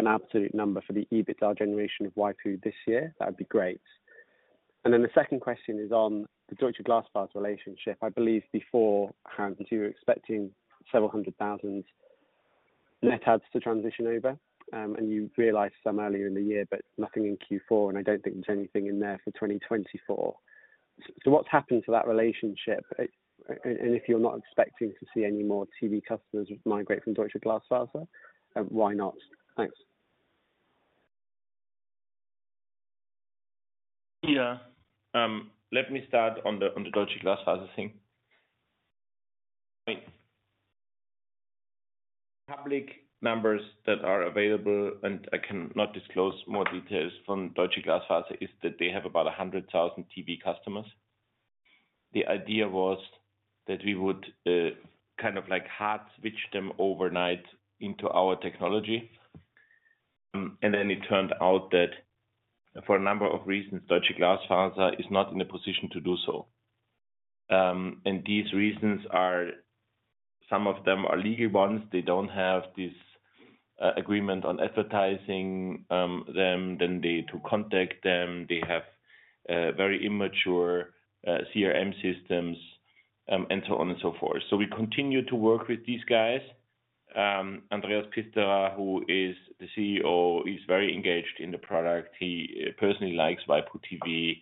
an absolute number for the EBITDA generation of Waipu this year, that would be great. And then the second question is on the Deutsche Glasfaser relationship. I believe before, Hans, you were expecting several hundred thousand net adds to transition over, and you realized some earlier in the year, but nothing in Q4, and I don't think there's anything in there for 2024. So what's happened to that relationship? And if you're not expecting to see any more TV customers migrate from Deutsche Glasfaser, why not? Thanks. Yeah. Let me start on the Deutsche Glasfaser thing. I mean, public numbers that are available, and I cannot disclose more details from Deutsche Glasfaser, is that they have about 100,000 TV customers. The idea was that we would kind of like hard switch them overnight into our technology. And then it turned out that for a number of reasons, Deutsche Glasfaser is not in a position to do so. And these reasons are, some of them are legal ones. They don't have this agreement on advertising to contact them. They have very immature CRM systems, and so on and so forth. So we continue to work with these guys. Andreas Pfisterer, who is the CEO, is very engaged in the product. He personally likes Waipu TV,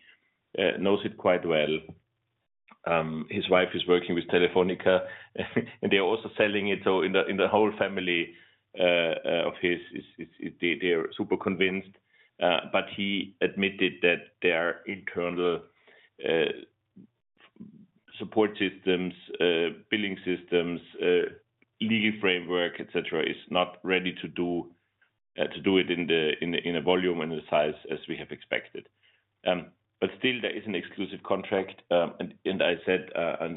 knows it quite well. His wife is working with Telefónica, and they are also selling it. So in the whole family of his is – they are super convinced. But he admitted that their internal support systems, billing systems, legal framework, et cetera, is not ready to do it in a volume and the size as we have expected. But still, there is an exclusive contract, and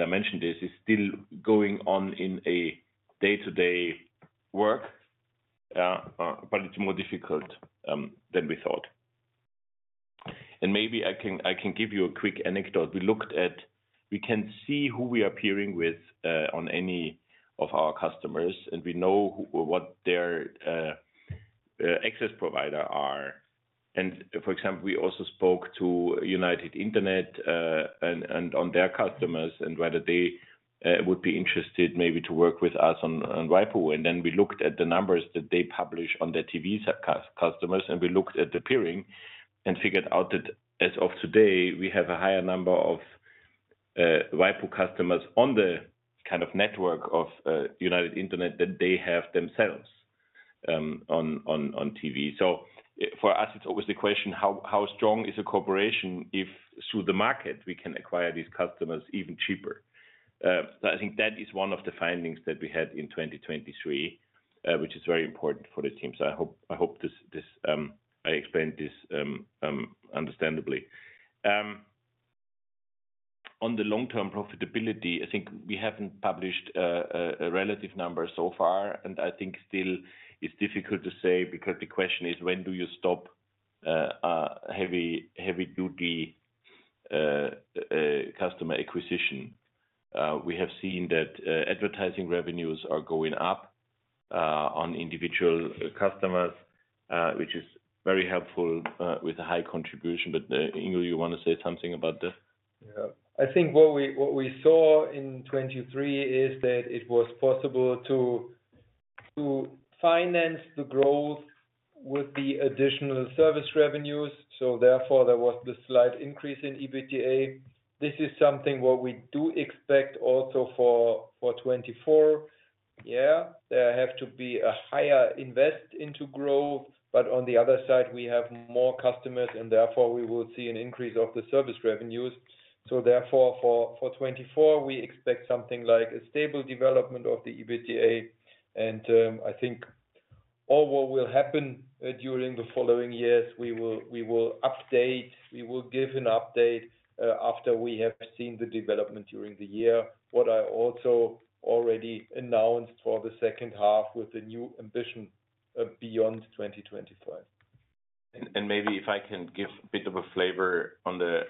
I mentioned this is still going on in a day-to-day work, but it's more difficult than we thought. And maybe I can give you a quick anecdote. We looked at – we can see who we are peering with on any of our customers, and we know what their access provider are. For example, we also spoke to United Internet, and on their customers, and whether they would be interested maybe to work with us on waipu.tv. Then we looked at the numbers that they publish on their TV customers, and we looked at the peering and figured out that as of today, we have a higher number of waipu.tv customers on the kind of network of United Internet than they have themselves, on TV. So for us, it's always the question, how strong is a cooperation if through the market we can acquire these customers even cheaper? So I think that is one of the findings that we had in 2023, which is very important for the team. So I hope I explained this understandably. On the long-term profitability, I think we haven't published a relative number so far, and I think still it's difficult to say, because the question is, when do you stop a heavy customer acquisition. We have seen that advertising revenues are going up on individual customers, which is very helpful with a high contribution. But, Ingo, you want to say something about this? Yeah. I think what we, what we saw in 2023 is that it was possible to, to finance the growth with the additional service revenues, so therefore, there was the slight increase in EBITDA. This is something what we do expect also for, for 2024. Yeah, there have to be a higher invest into growth, but on the other side, we have more customers, and therefore we will see an increase of the service revenues. So therefore, for, for 2024, we expect something like a stable development of the EBITDA. I think all what will happen during the following years, we will, we will update. We will give an update after we have seen the development during the year. What I also already announced for the second half with the new ambition of beyond 2025. Maybe if I can give a bit of a flavor on the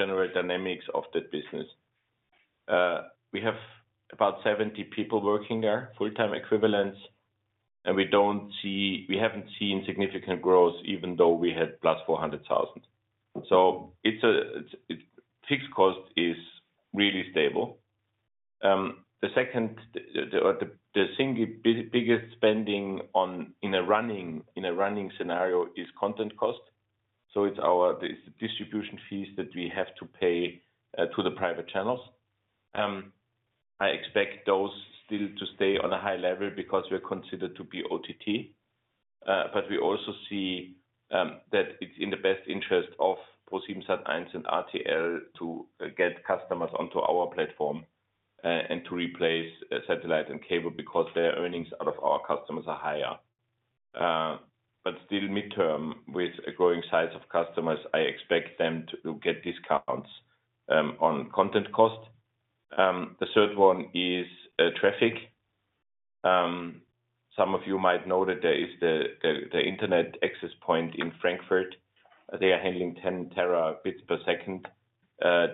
general dynamics of that business. We have about 70 people working there, full-time equivalents, and we don't see we haven't seen significant growth even though we had +400,000. It's fixed cost is really stable. The second, the single biggest spending on, in a running scenario is content cost, so it's our, the distribution fees that we have to pay, to the private channels. I expect those still to stay on a high level because we're considered to be OTT. But we also see that it's in the best interest of ProSiebenSat.1 and RTL to get customers onto our platform, and to replace satellite and cable because their earnings out of our customers are higher. But still midterm, with a growing size of customers, I expect them to get discounts on content costs. The third one is traffic. Some of you might know that there is the internet access point in Frankfurt. They are handling 10 Tbps.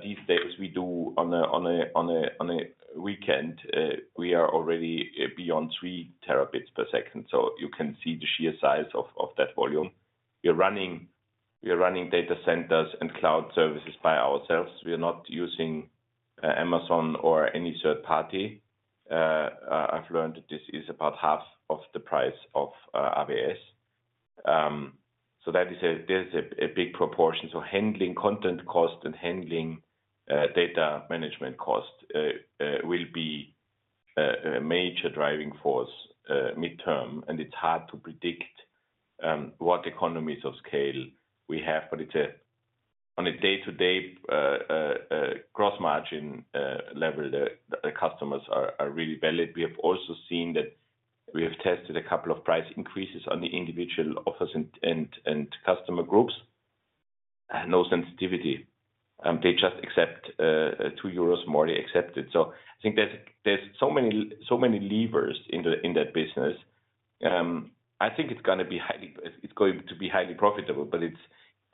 These days we do on a weekend, we are already beyond 3 Tbps, so you can see the sheer size of that volume. We are running data centers and cloud services by ourselves. We are not using Amazon or any third party. I've learned that this is about half of the price of AWS. So that's a big proportion. So handling content cost and handling data management cost will be a major driving force midterm, and it's hard to predict what economies of scale we have, but on a day-to-day gross margin level, the customers are really viable. We have also seen that we have tested a couple of price increases on the individual offers and customer groups. No sensitivity, they just accept 2 euros more, they accept it. So I think there's so many levers in that business. I think it's gonna be highly, it's going to be highly profitable, but it's,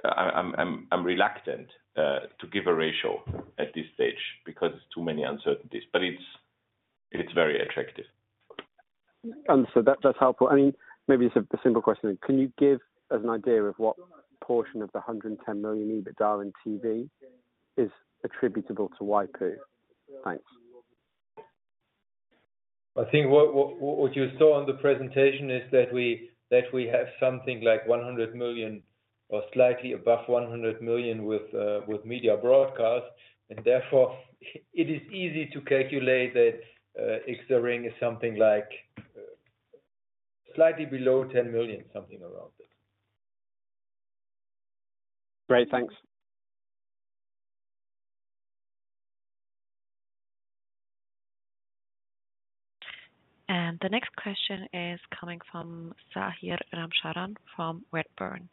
I, I'm reluctant to give a ratio at this stage because it's too many uncertainties, but it's very attractive. So that's helpful. I mean, maybe it's a simple question. Can you give us an idea of what portion of the 110 million EBITDA in TV is attributable to waipu? Thanks. I think you saw on the presentation is that we have something like 100 million or slightly above 100 million with Media Broadcast, and therefore, it is easy to calculate that excluding is something like slightly below 10 million, something around it. Great, thanks. The next question is coming from Zahir Ramcharan from Redburn.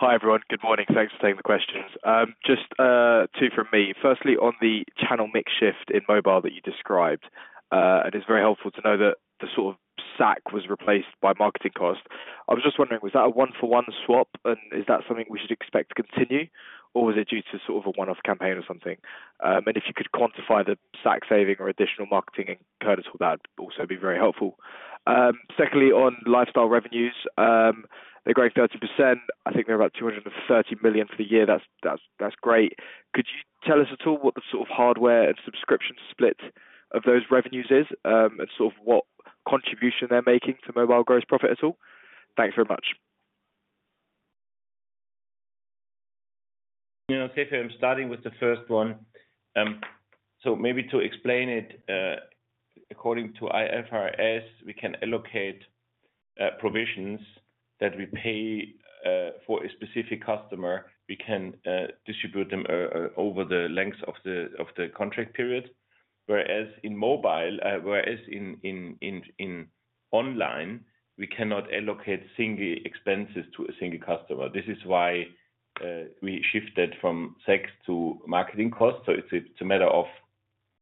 Hi, everyone. Good morning. Thanks for taking the questions. Just two from me. Firstly, on the channel mix shift in mobile that you described, and it's very helpful to know that the sort of SAC was replaced by marketing costs. I was just wondering, was that a 1-for-1 swap, and is that something we should expect to continue, or was it due to sort of a one-off campaign or something? And if you could quantify the SAC saving or additional marketing and costs, well, that would also be very helpful. Secondly, on lifestyle revenues, they grew 30%. I think they're about 230 million for the year. That's great. Could you tell us at all what the sort of hardware and subscription split of those revenues is? And sort of what contribution they're making to mobile gross profit at all? Thanks very much. You know, Zahir, I'm starting with the first one. So maybe to explain it, according to IFRS, we can allocate provisions that we pay for a specific customer. We can distribute them over the length of the contract period. Whereas in mobile, in online, we cannot allocate single expenses to a single customer. This is why we shifted from SAC to marketing costs. So it's a matter of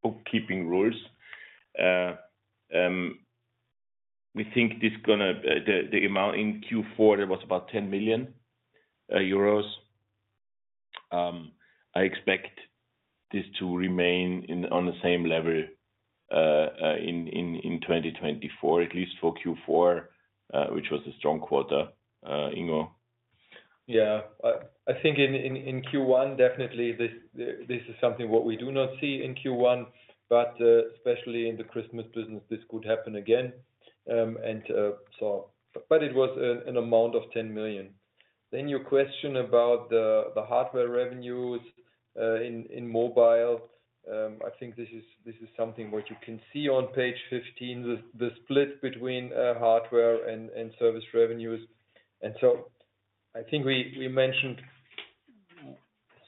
bookkeeping rules. We think this gonna the amount in Q4, there was about 10 million euros. I expect this to remain on the same level in 2024, at least for Q4, which was a strong quarter. Ingo? Yeah. I think in Q1, definitely this is something what we do not see in Q1, but especially in the Christmas business, this could happen again. And so, but it was an amount of 10 million. Then your question about the hardware revenues in mobile. I think this is something what you can see on page 15, the split between hardware and service revenues. And so I think we mentioned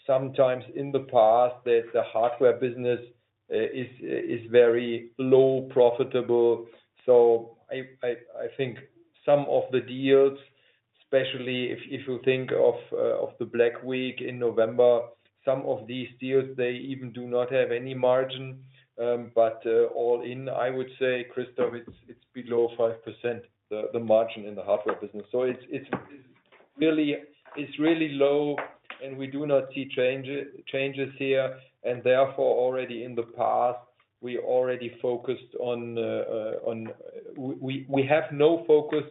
sometimes in the past that the hardware business is very low profitable. So I think some of the deals, especially if you think of the Black Week in November, some of these deals, they even do not have any margin. All in, I would say, Christoph, it's below 5%, the margin in the hardware business. So it's really low, and we do not see changes here, and therefore, already in the past, we already focused on. We have no focus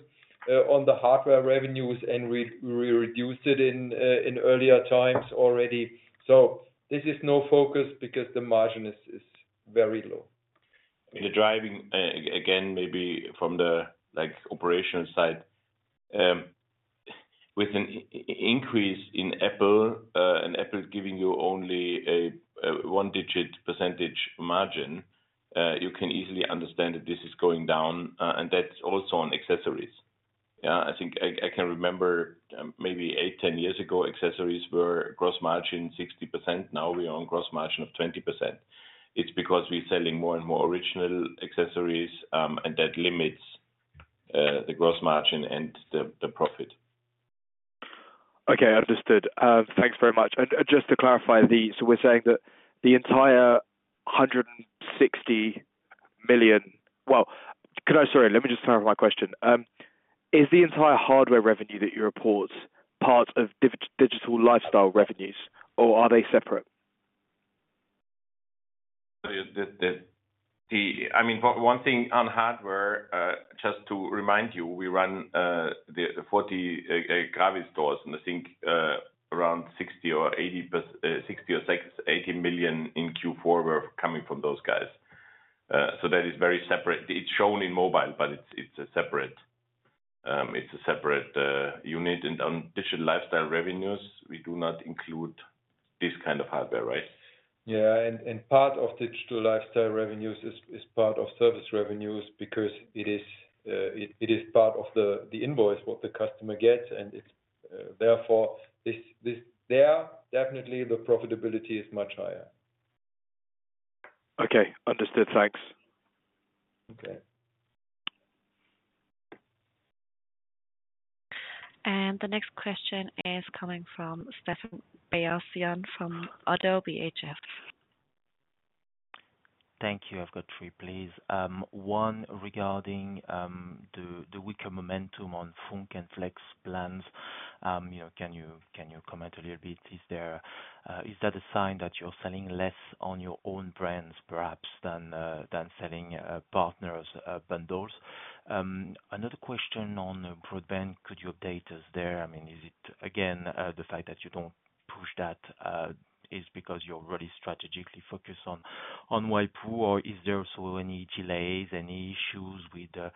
on the hardware revenues, and we reduced it in earlier times already. So this is no focus because the margin is very low. The driving, again, maybe from the, like, operational side, with an increase in Apple, and Apple giving you only a one-digit percentage margin, you can easily understand that this is going down, and that's also on accessories. Yeah, I think I can remember, maybe eight-10 years ago, accessories were gross margin 60%. Now, we own gross margin of 20%. It's because we're selling more and more original accessories, and that limits the gross margin and the profit. Okay, understood. Thanks very much. And just to clarify, the. So we're saying that the entire 160 million... Well, could I... Sorry, let me just clarify my question. Is the entire hardware revenue that you report part of digital lifestyle revenues, or are they separate? I mean, one thing on hardware, just to remind you, we run the 40 GRAVIS stores, and I think around 60 million or 80 million in Q4 were coming from those guys. So that is very separate. It's shown in mobile, but it's a separate unit. And on digital lifestyle revenues, we do not include this kind of hardware, right? Yeah, and part of digital lifestyle revenues is part of service revenues because it is part of the invoice what the customer gets, and it's therefore definitely the profitability is much higher. Okay, understood. Thanks. Okay. The next question is coming from Stéphane Beyazian from Oddo BHF. Thank you. I've got three, please. One, regarding the weaker momentum on FUNK and FLEX plans. You know, can you comment a little bit? Is there, is that a sign that you're selling less on your own brands, perhaps, than selling partner bundles? Another question on broadband: Could you update us there? I mean, is it, again, the fact that you don't push that is because you're really strategically focused on waipu, or is there also any delays, any issues with the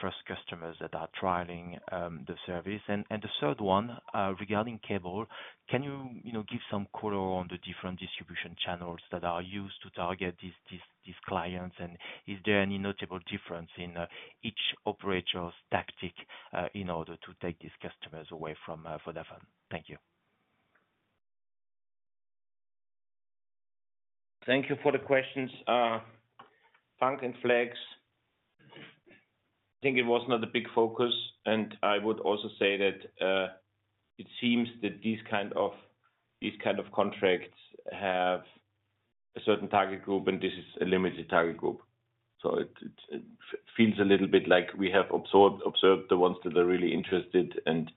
first customers that are trialing the service? And the third one, regarding cable, can you, you know, give some color on the different distribution channels that are used to target these clients? Is there any notable difference in each operator's tactic in order to take these customers away from Vodafone? Thank you. Thank you for the questions. Funk and Flex, I think it was not a big focus, and I would also say that it seems that these kind of contracts have a certain target group, and this is a limited target group. So it feels a little bit like we have observed the ones that are really interested and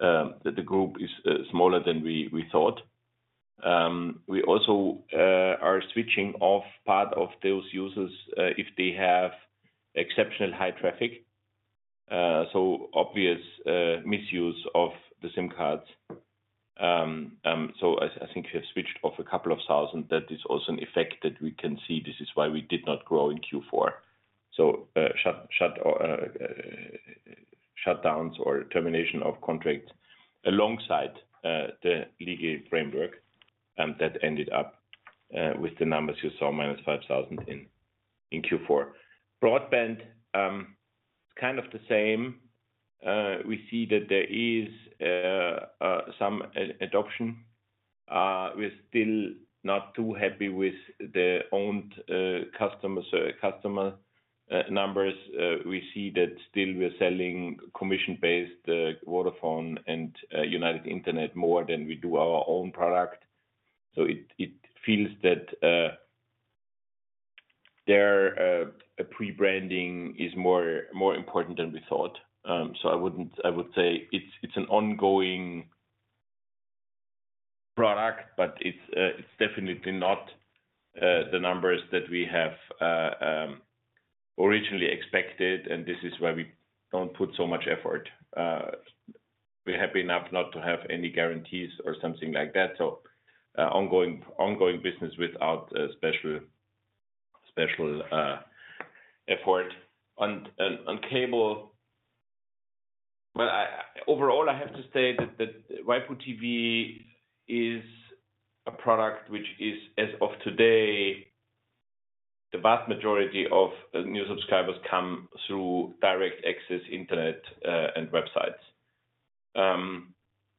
that the group is smaller than we thought. We also are switching off part of those users if they have exceptional high traffic, so obvious misuse of the SIM cards. So I think we have switched off a couple of thousand. That is also an effect that we can see. This is why we did not grow in Q4. So, shutdowns or termination of contracts alongside the legal framework that ended up with the numbers you saw, -5,000 in Q4. Broadband, it's kind of the same. We see that there is some adoption. We're still not too happy with the own customer numbers. We see that still we're selling commission-based Vodafone and United Internet more than we do our own product. So it feels that their pre-branding is more important than we thought. So I wouldn't—I would say it's an ongoing product, but it's definitely not the numbers that we have originally expected, and this is why we don't put so much effort. We're happy enough not to have any guarantees or something like that. So, ongoing business without a special effort. On cable, well, overall, I have to say that waipu.tv is a product which is, as of today, the vast majority of new subscribers come through direct access internet and websites.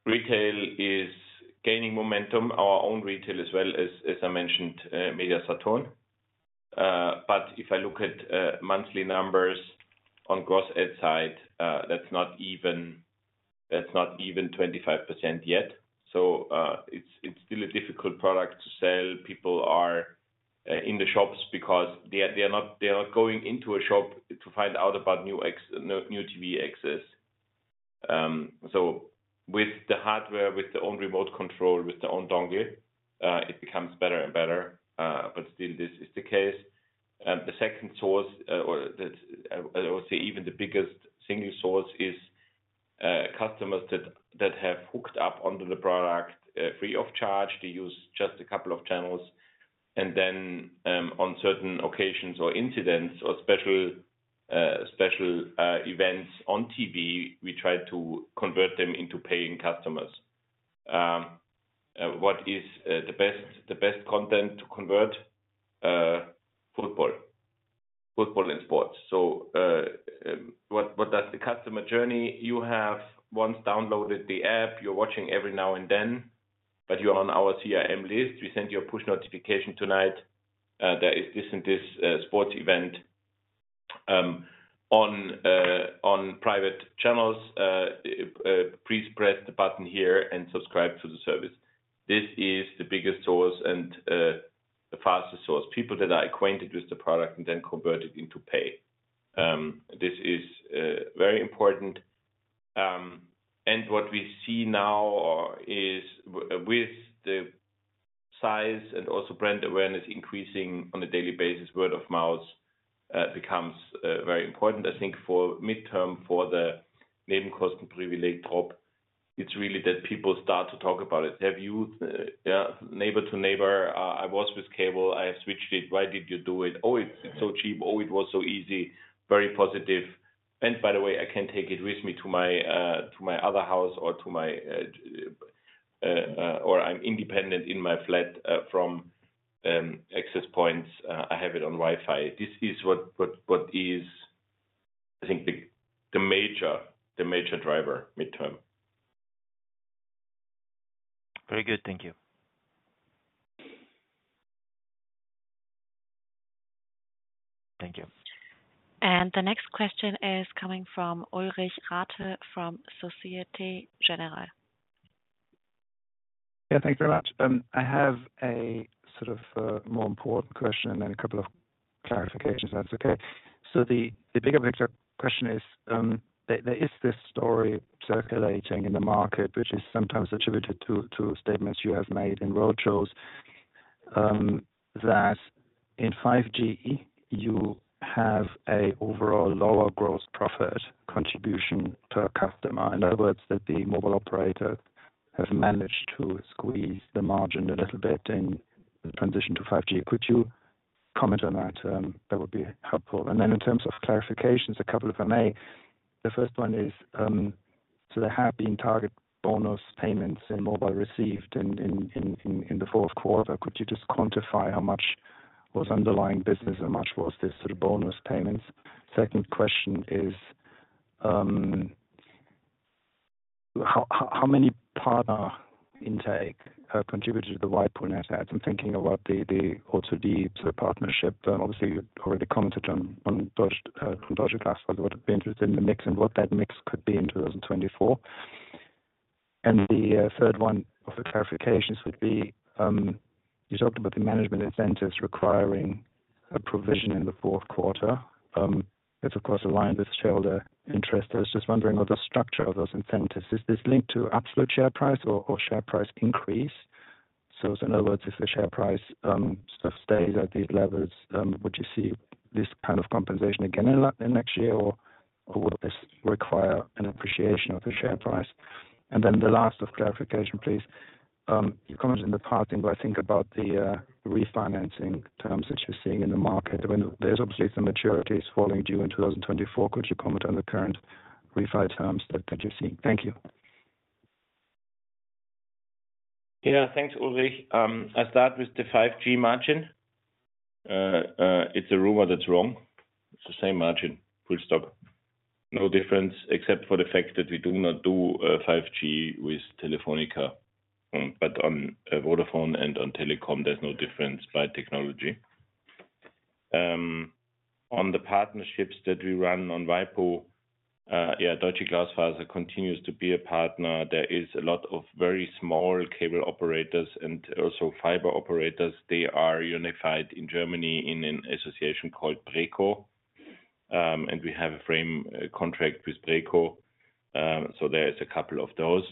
Retail is gaining momentum, our own retail as well as, as I mentioned, Media-Saturn. But if I look at monthly numbers on gross adds side, that's not even 25% yet. So, it's still a difficult product to sell. People are in the shops because they are not going into a shop to find out about new TV access. So with the hardware, with their own remote control, with their own dongle, it becomes better and better, but still, this is the case. The second source, or the, I would say even the biggest single source is, customers that have hooked up onto the product, free of charge. They use just a couple of channels, and then, on certain occasions or incidents or special, special, events on TV, we try to convert them into paying customers. What is the best, the best content to convert? Football. Football and sports. So, what does the customer journey? You have once downloaded the app, you're watching every now and then, but you're on our CRM list. We send you a push notification tonight, there is this and this, sports event, on private channels. Please press the button here and subscribe to the service. This is the biggest source and, the fastest source. People that are acquainted with the product and then converted into pay. This is very important. And what we see now or is with the size and also brand awareness increasing on a daily basis, word of mouth, becomes very important. I think for midterm, for the Nebenkostenprivileg topic, it's really that people start to talk about it. Have you neighbor to neighbor, "Uh, I was with Cable, I switched it." "Why did you do it?" "Oh, it's so cheap. Oh, it was so easy." Very positive. By the way, I can take it with me to my other house or I'm independent in my flat from access points. I have it on Wi-Fi." This is what is, I think, the major driver midterm. Very good. Thank you. Thank you. The next question is coming from Ulrich Rathe, from Société Générale. Yeah, thank you very much. I have a sort of more important question and then a couple of clarifications, if that's okay. So the bigger picture question is, there is this story circulating in the market, which is sometimes attributed to statements you have made in roadshows, that in 5G, you have an overall lower gross profit contribution per customer. In other words, that the mobile operators have managed to squeeze the margin a little bit in the transition to 5G. Could you comment on that? That would be helpful. And then in terms of clarifications, a couple, if I may. The first one is, so there have been target bonus payments in mobile received in the fourth quarter. Could you just quantify how much was underlying business, how much was this sort of bonus payments? Second question is, how many partner intake contributed to the waipu.tv net adds? I'm thinking about the [inaudible] partnership. Obviously, you already commented on Deutsche Glasfaser. I would be interested in the mix and what that mix could be in 2024. And the third one of the clarifications would be, you talked about the management incentives requiring a provision in the fourth quarter. That's, of course, aligned with shareholder interest. I was just wondering of the structure of those incentives. Is this linked to absolute share price or share price increase? So in other words, if the share price sort of stays at these levels, would you see this kind of compensation again in next year, or will this require an appreciation of the share price? And then the last of clarification, please. You commented in the past, and I think about the, refinancing terms that you're seeing in the market, when there's obviously some maturities falling due in 2024. Could you comment on the current refi terms that, that you're seeing? Thank you. Yeah, thanks, Ulrich. I'll start with the 5G margin. It's a rumor that's wrong. It's the same margin, full stop. No difference, except for the fact that we do not do 5G with Telefónica. But on Vodafone and on Telecom, there's no difference by technology. On the partnerships that we run on waipu, yeah, Deutsche Glasfaser continues to be a partner. There is a lot of very small cable operators and also fiber operators. They are unified in Germany, in an association called BREKO. And we have a frame contract with BREKO, so there is a couple of those.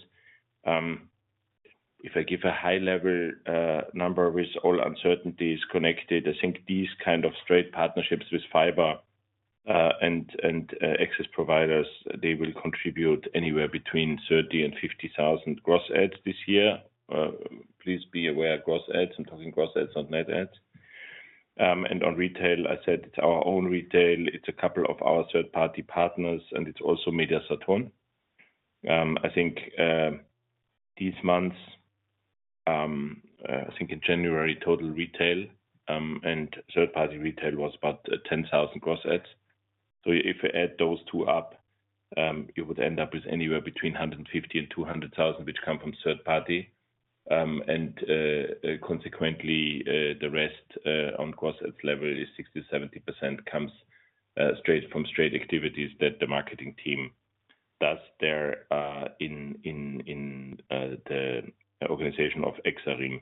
If I give a high level number with all uncertainties connected, I think these kind of straight partnerships with fiber and access providers, they will contribute anywhere between 30,000 and 50,000 gross adds this year. Please be aware, gross adds, I'm talking gross adds, not net adds. And on retail, I said it's our own retail, it's a couple of our third party partners, and it's also Media-Saturn. I think these months, I think in January, total retail and third party retail was about 10,000 gross adds. So if you add those two up, you would end up with anywhere between 150 and 200,000, which come from third party. And consequently, the rest on gross adds level is 60%-70%, comes straight from straight activities that the marketing team does there in the organization of Exaring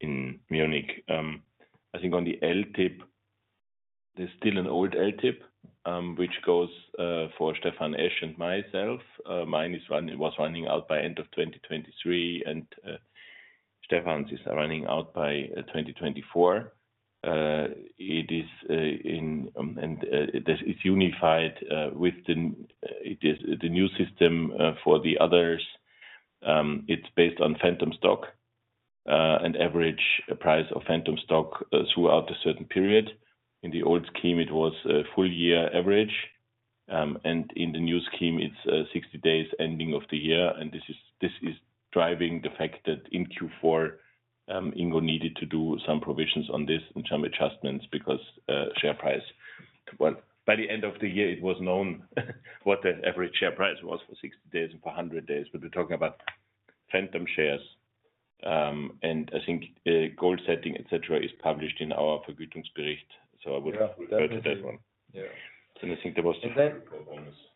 in Munich. I think on the LTIP, there's still an old LTIP, which goes for Stephan Esch and myself. Mine was running out by end of 2023, and Stefan's is running out by 2024. It is in and it's unified with the, it is the new system for the others. It's based on phantom stock, an average price of phantom stock throughout a certain period. In the old scheme, it was a full year average, and in the new scheme, it's 60 days ending of the year. And this is driving the fact that in Q4, Ingo needed to do some provisions on this and some adjustments because share price. Well, by the end of the year, it was known what the average share price was for 60 days and for 100 days. But we're talking about phantom shares, and I think goal setting, et cetera, is published in our annual report. So I would refer to that one. Yeah. And I think there was- And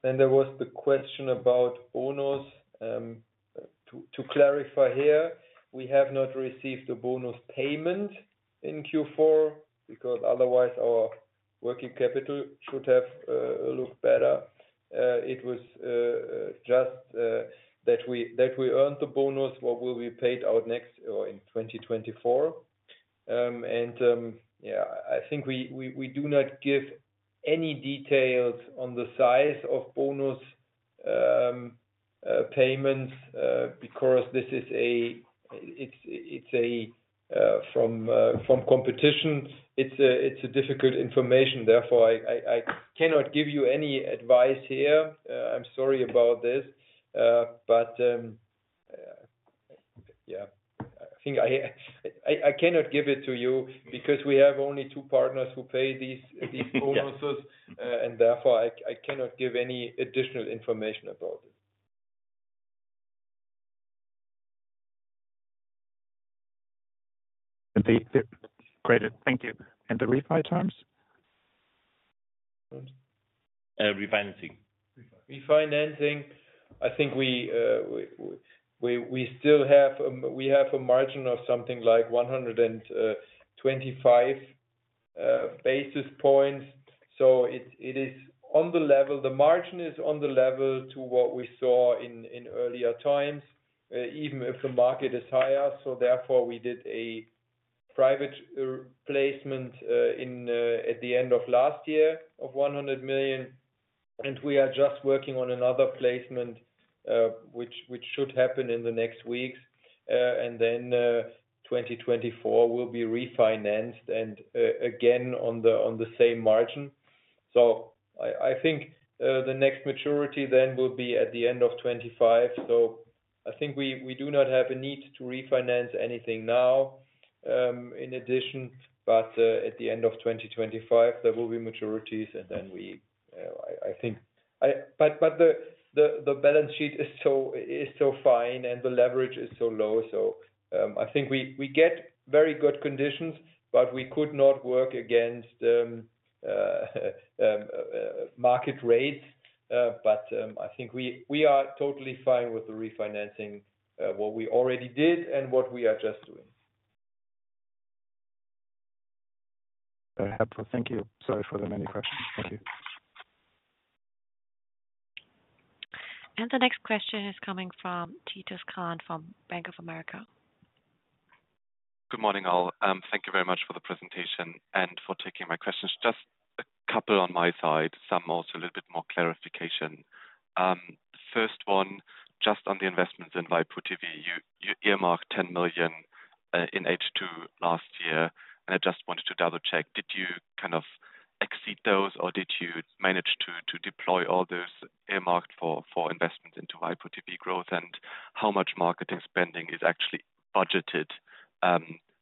then there was the question about bonus. To clarify here, we have not received a bonus payment in Q4 because otherwise our working capital should have looked better. It was just that we earned the bonus, what will be paid out next or in 2024. And yeah, I think we do not give any details on the size of bonus payments because this is a it's a from competition. It's a difficult information, therefore, I cannot give you any advice here. I'm sorry about this, but yeah. I think I cannot give it to you because we have only two partners who pay these bonuses, and therefore, I cannot give any additional information about it. Great. Thank you. And the refi terms? Refinancing. Refinancing. I think we still have a margin of something like 125 basis points. So it is on the level, the margin is on the level to what we saw in earlier times, even if the market is higher. So therefore, we did a private placement in at the end of last year of 100 million. And we are just working on another placement, which should happen in the next weeks. And then, 2024 will be refinanced and, again, on the same margin. So I think, the next maturity then will be at the end of 2025. So I think we do not have a need to refinance anything now, in addition, but at the end of 2025, there will be maturities, and then I think. But the balance sheet is so fine and the leverage is so low, so I think we get very good conditions, but we could not work against market rates. But I think we are totally fine with the refinancing what we already did and what we are just doing. Very helpful. Thank you. Sorry for the many questions. Thank you. The next question is coming from Titus Krahn from Bank of America. Good morning, all. Thank you very much for the presentation and for taking my questions. Just a couple on my side, some also a little bit more clarification. First one, just on the investments in waipu.tv, you earmarked 10 million in H2 last year, and I just wanted to double check: did you kind of exceed those, or did you manage to deploy all those earmarked for investment into waipu.tv growth? And how much marketing spending is actually budgeted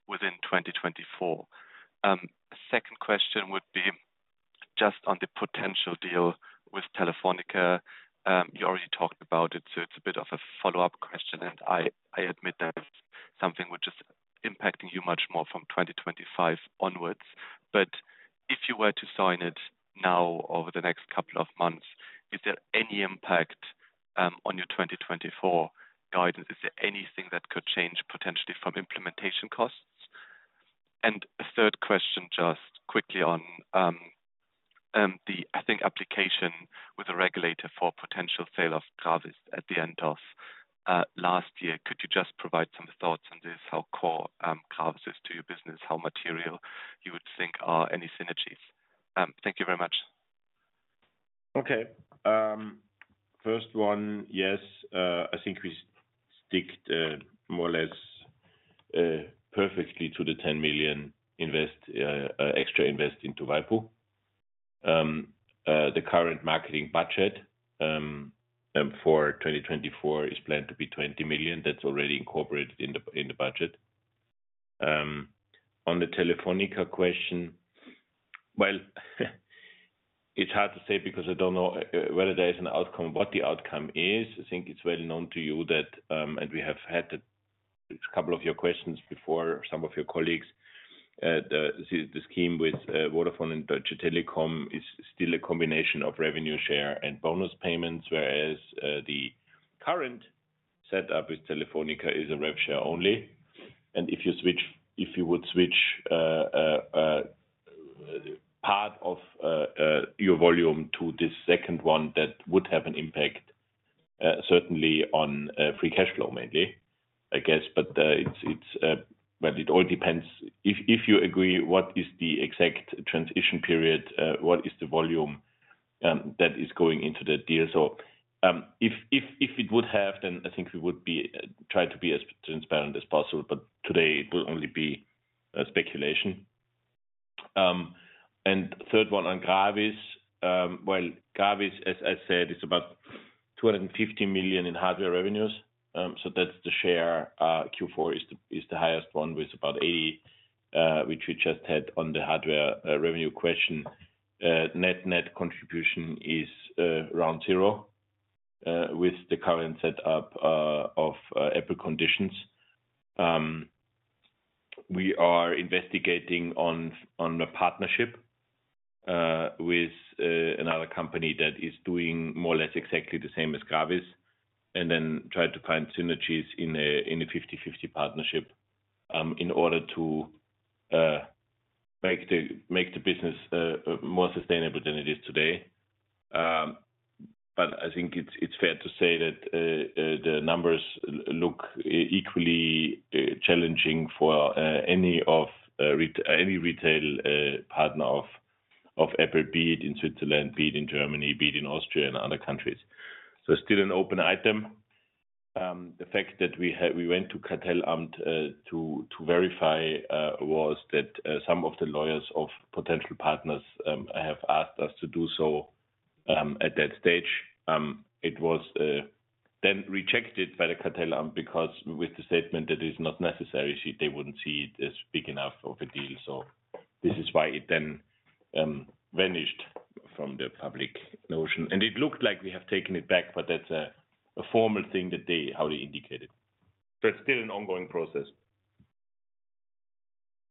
within 2024? Second question would be, just on the potential deal with Telefónica, you already talked about it, so it's a bit of a follow-up question, and I admit that something which is impacting you much more from 2025 onwards, but if you were to sign it now over the next couple of months, is there any impact on your 2024 guidance? Is there anything that could change potentially from implementation costs? And a third question, just quickly on the application with the regulator for potential sale of Gravis at the end of last year. Could you just provide some thoughts on this? How core Gravis is to your business, how material you would think are any synergies? Thank you very much. Okay. First one, yes, I think we sticked more or less perfectly to the 10 million invest extra invest into waipu.tv. The current marketing budget for 2024 is planned to be 20 million. That's already incorporated in the budget. On the Telefónica question, well, it's hard to say because I don't know whether there is an outcome, what the outcome is. I think it's well known to you that and we have had a couple of your questions before, some of your colleagues the scheme with Vodafone and Deutsche Telekom is still a combination of revenue share and bonus payments, whereas the current setup with Telefónica is a rev share only. If you would switch part of your volume to this second one, that would have an impact, certainly on free cash flow, mainly, I guess. But it's well, it all depends. If you agree, what is the exact transition period, what is the volume that is going into the deal? So, if it would have, then I think we would try to be as transparent as possible, but today it will only be a speculation. And third one on GRAVIS. Well, GRAVIS, as I said, is about 250 million in hardware revenues. So that's the share. Q4 is the highest one with about 80, which we just had on the hardware revenue question. Net-net contribution is around zero with the current set up of Apple conditions. We are investigating on a partnership with another company that is doing more or less exactly the same as GRAVIS, and then try to find synergies in a 50/50 partnership in order to make the business more sustainable than it is today. But I think it's fair to say that the numbers look equally challenging for any retail partner of Apple, be it in Switzerland, be it in Germany, be it in Austria and other countries. So still an open item. The fact that we went to Kartellamt to verify was that some of the lawyers of potential partners have asked us to do so at that stage. It was then rejected by the Kartellamt, because with the statement that it's not necessary, so they wouldn't see it as big enough of a deal. So this is why it then vanished from the public notion, and it looked like we have taken it back, but that's a formal thing that they how they indicated. But it's still an ongoing process.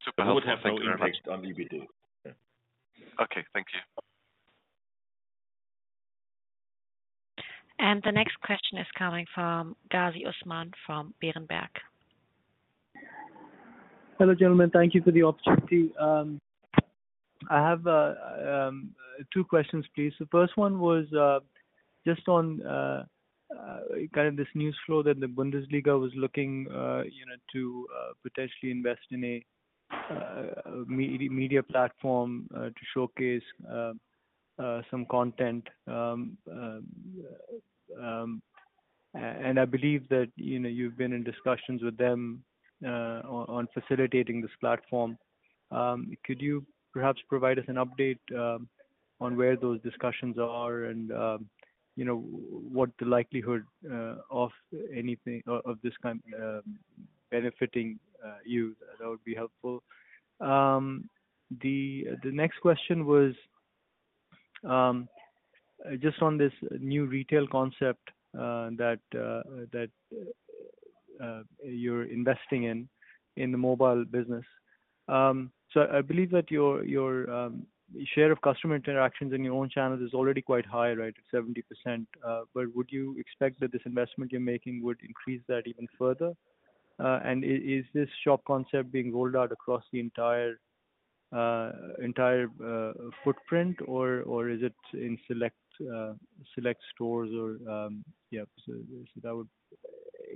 So it would have no impact on the video. Okay, thank you. The next question is coming from Ghazi Usman, from Berenberg. Hello, gentlemen. Thank you for the opportunity. I have two questions, please. The first one was just on kind of this news flow that the Bundesliga was looking, you know, to potentially invest in a media platform to showcase some content. And I believe that, you know, you've been in discussions with them on facilitating this platform. Could you perhaps provide us an update on where those discussions are and, you know, what the likelihood of anything of this kind benefiting you? That would be helpful. The next question was just on this new retail concept that you're investing in, in the mobile business. So I believe that your, your, share of customer interactions in your own channels is already quite high, right, at 70%. But would you expect that this investment you're making would increase that even further? And is this shop concept being rolled out across the entire, entire, footprint, or, or is it in select, select stores or... Yeah, so, so that would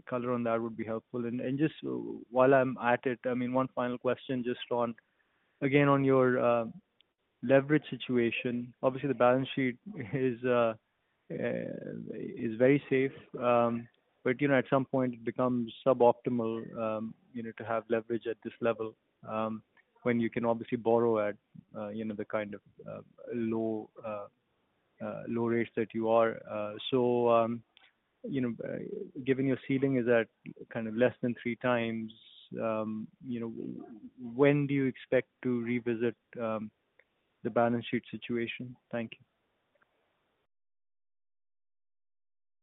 color on that would be helpful. And, and just while I'm at it, I mean, one final question, just on, again, on your, leverage situation.. Obviously, the balance sheet is, is very safe, but, you know, at some point it becomes suboptimal, you know, to have leverage at this level, when you can obviously borrow at, you know, the kind of, low, low rates that you are. So, you know, given your ceiling, is that kind of less than three times? You know, when do you expect to revisit the balance sheet situation? Thank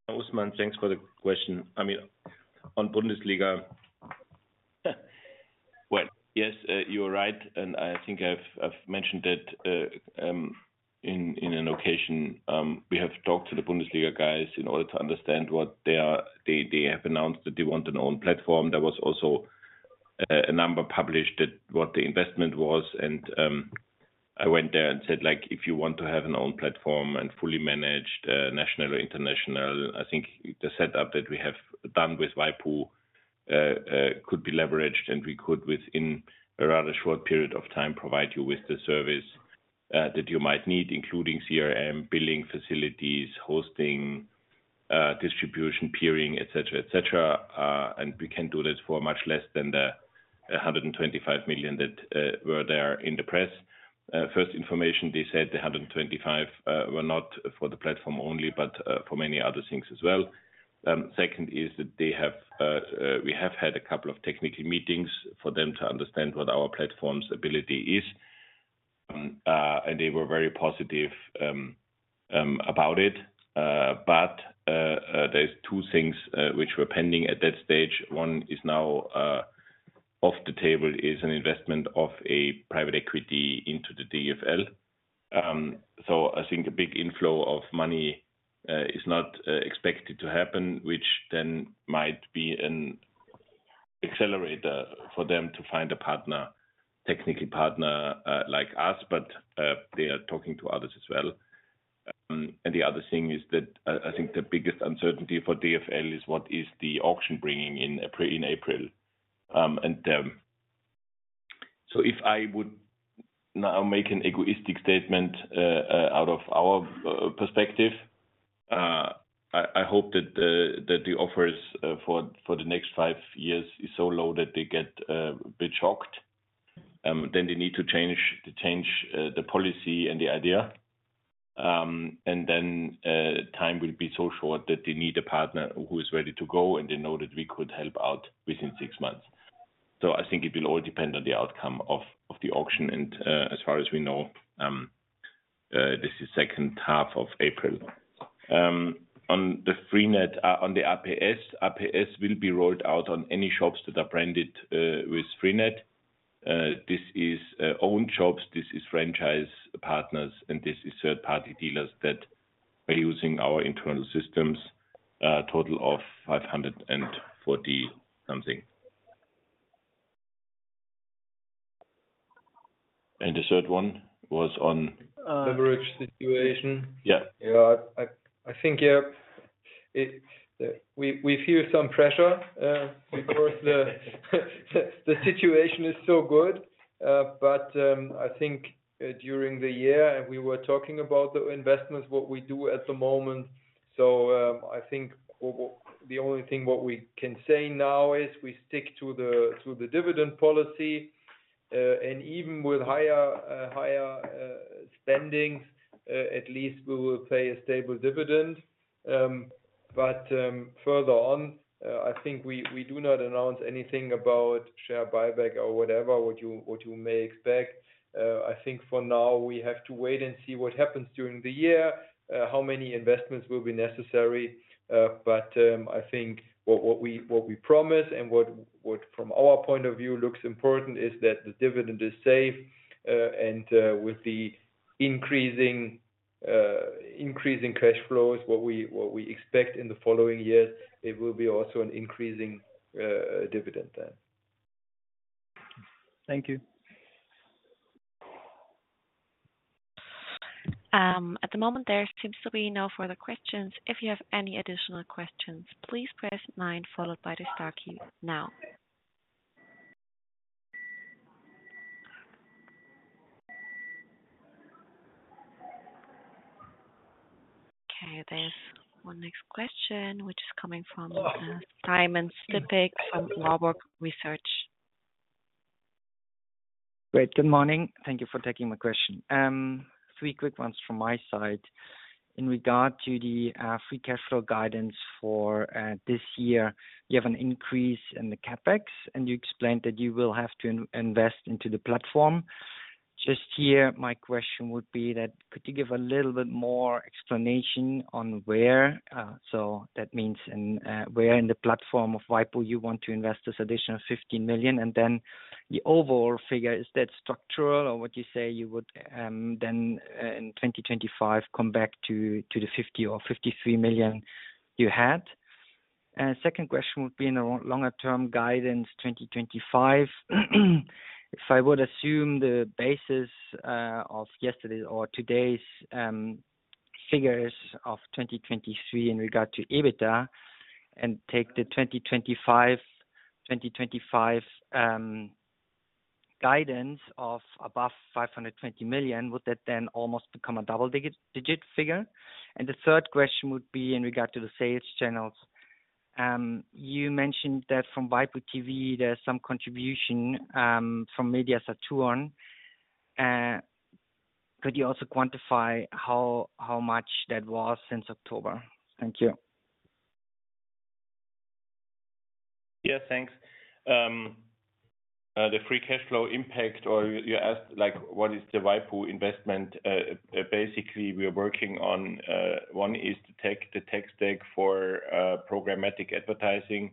you. Usman, thanks for the question. I mean, on Bundesliga, well, yes, you are right, and I think I've mentioned it in an occasion. We have talked to the Bundesliga guys in order to understand what they are. They have announced that they want an own platform. There was also a number published that what the investment was, and I went there and said, like, "If you want to have an own platform and fully managed, national, international, I think the setup that we have done with Waipu could be leveraged, and we could, within a rather short period of time, provide you with the service that you might need, including CRM, billing facilities, hosting, distribution, peering, et cetera, et cetera. And we can do that for much less than the 125 million that were there in the press. First information, they said the 125 million were not for the platform only, but for many other things as well. Second is that we have had a couple of technical meetings for them to understand what our platform's ability is. And they were very positive about it. But there's two things which were pending at that stage. One is now off the table, is an investment of a private equity into the DFL. So I think a big inflow of money is not expected to happen, which then might be an accelerator for them to find a partner, technically partner, like us, but they are talking to others as well. And the other thing is that I think the biggest uncertainty for DFL is what is the auction bringing in April? So if I would now make an egoistic statement out of our perspective, I hope that the offers for the next five years is so low that they get a bit shocked. Then they need to change the policy and the idea. And then time will be so short that they need a partner who is ready to go, and they know that we could help out within six months. So I think it will all depend on the outcome of the auction, and as far as we know, this is second half of April. On the freenet, on the APS. APS will be rolled out on any shops that are branded with freenet. This is own shops, this is franchise partners, and this is third-party dealers that are using our internal systems, a total of 540-something. And the third one was on- Leverage situation. Yeah. Yeah, I think, yeah, it, we feel some pressure because the situation is so good. But I think during the year, and we were talking about the investments, what we do at the moment. So, I think the only thing what we can say now is we stick to the dividend policy, and even with higher spendings, at least we will pay a stable dividend. But further on, I think we do not announce anything about share buyback or whatever what you may expect. I think for now we have to wait and see what happens during the year, how many investments will be necessary. But I think what we promise and what from our point of view looks important is that the dividend is safe, and with the increasing cash flows what we expect in the following years, it will be also an increasing dividend then. Thank you. At the moment, there seems to be no further questions. If you have any additional questions, please press nine followed by the star key now. Okay, there's one next question, which is coming from Simon Stippig from Warburg Research. Great. Good morning. Thank you for taking my question. Three quick ones from my side. In regard to the free cash flow guidance for this year, you have an increase in the CapEx, and you explained that you will have to invest into the platform. Just here, my question would be that could you give a little bit more explanation on where so that means in where in the platform of waipu.tv you want to invest this additional 15 million? And then the overall figure, is that structural or would you say you would then in 2025 come back to the 50 million or 53 million you had? Second question would be in the longer term guidance, 2025. If I would assume the basis of yesterday's or today's figures of 2023 in regard to EBITDA and take the 2025, 2025 guidance of above 520 million, would that then almost become a double-digit figure? And the third question would be in regard to the sales channels. You mentioned that from waipu.tv, there's some contribution from Media-Saturn. Could you also quantify how much that was since October? Thank you. Yeah, thanks. The free cash flow impact, or you asked, like, what is the waipu investment? Basically, we are working on, one is to take the tech stack for programmatic advertising.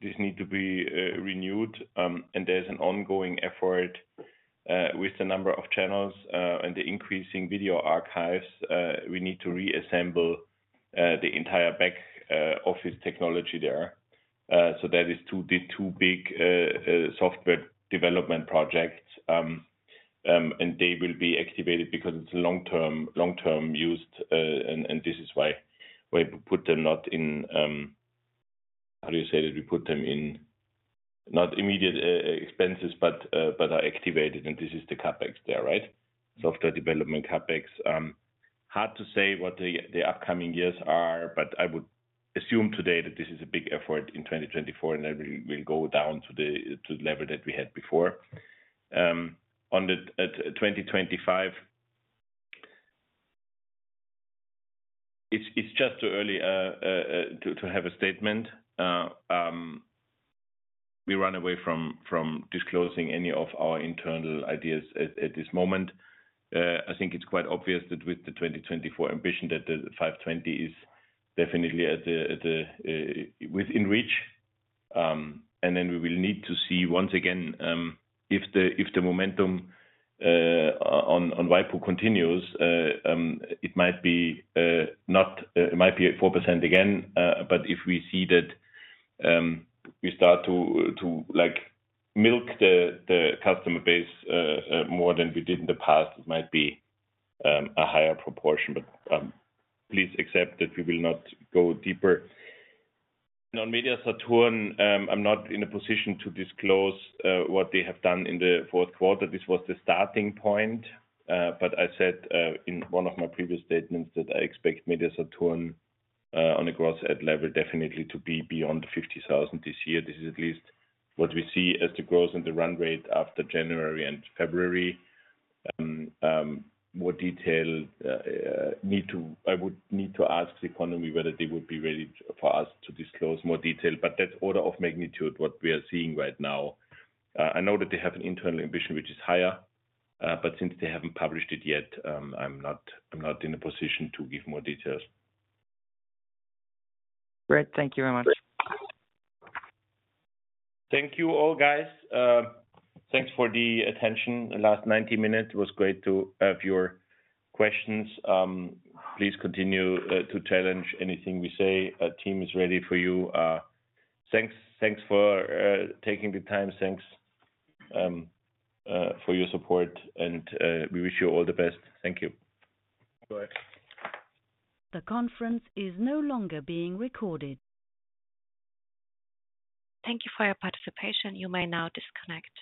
This need to be renewed, and there's an ongoing effort with the number of channels and the increasing video archives. We need to reassemble the entire back office technology there. So that is two big software development projects. And they will be activated because it's long-term use. And this is why we put them not in immediate expenses, but are activated, and this is the CapEx there, right? Software development CapEx. Hard to say what the upcoming years are, but I would assume today that this is a big effort in 2024, and then we'll go down to the level that we had before. At 2025, it's just too early to have a statement. We run away from disclosing any of our internal ideas at this moment. I think it's quite obvious that with the 2024 ambition, that the 520 is definitely within reach. And then we will need to see once again if the momentum on waipu continues, it might be at 4% again. But if we see that we start to like milk the customer base more than we did in the past, it might be a higher proportion. But please accept that we will not go deeper. On Media-Saturn, I'm not in a position to disclose what they have done in the fourth quarter. This was the starting point, but I said in one of my previous statements that I expect Media-Saturn on the gross ad level definitely to be beyond 50,000 this year. This is at least what we see as the growth and the run rate after January and February. More detail, I would need to ask economy whether they would be ready for us to disclose more detail, but that order of magnitude, what we are seeing right now, I know that they have an internal ambition, which is higher, but since they haven't published it yet, I'm not, I'm not in a position to give more details. Great. Thank you very much. Thank you, all, guys. Thanks for the attention. The last 90 minutes was great to have your questions. Please continue to challenge anything we say. Our team is ready for you. Thanks, thanks for taking the time. Thanks for your support, and we wish you all the best. Thank you. Bye. The conference is no longer being recorded. Thank you for your participation. You may now disconnect.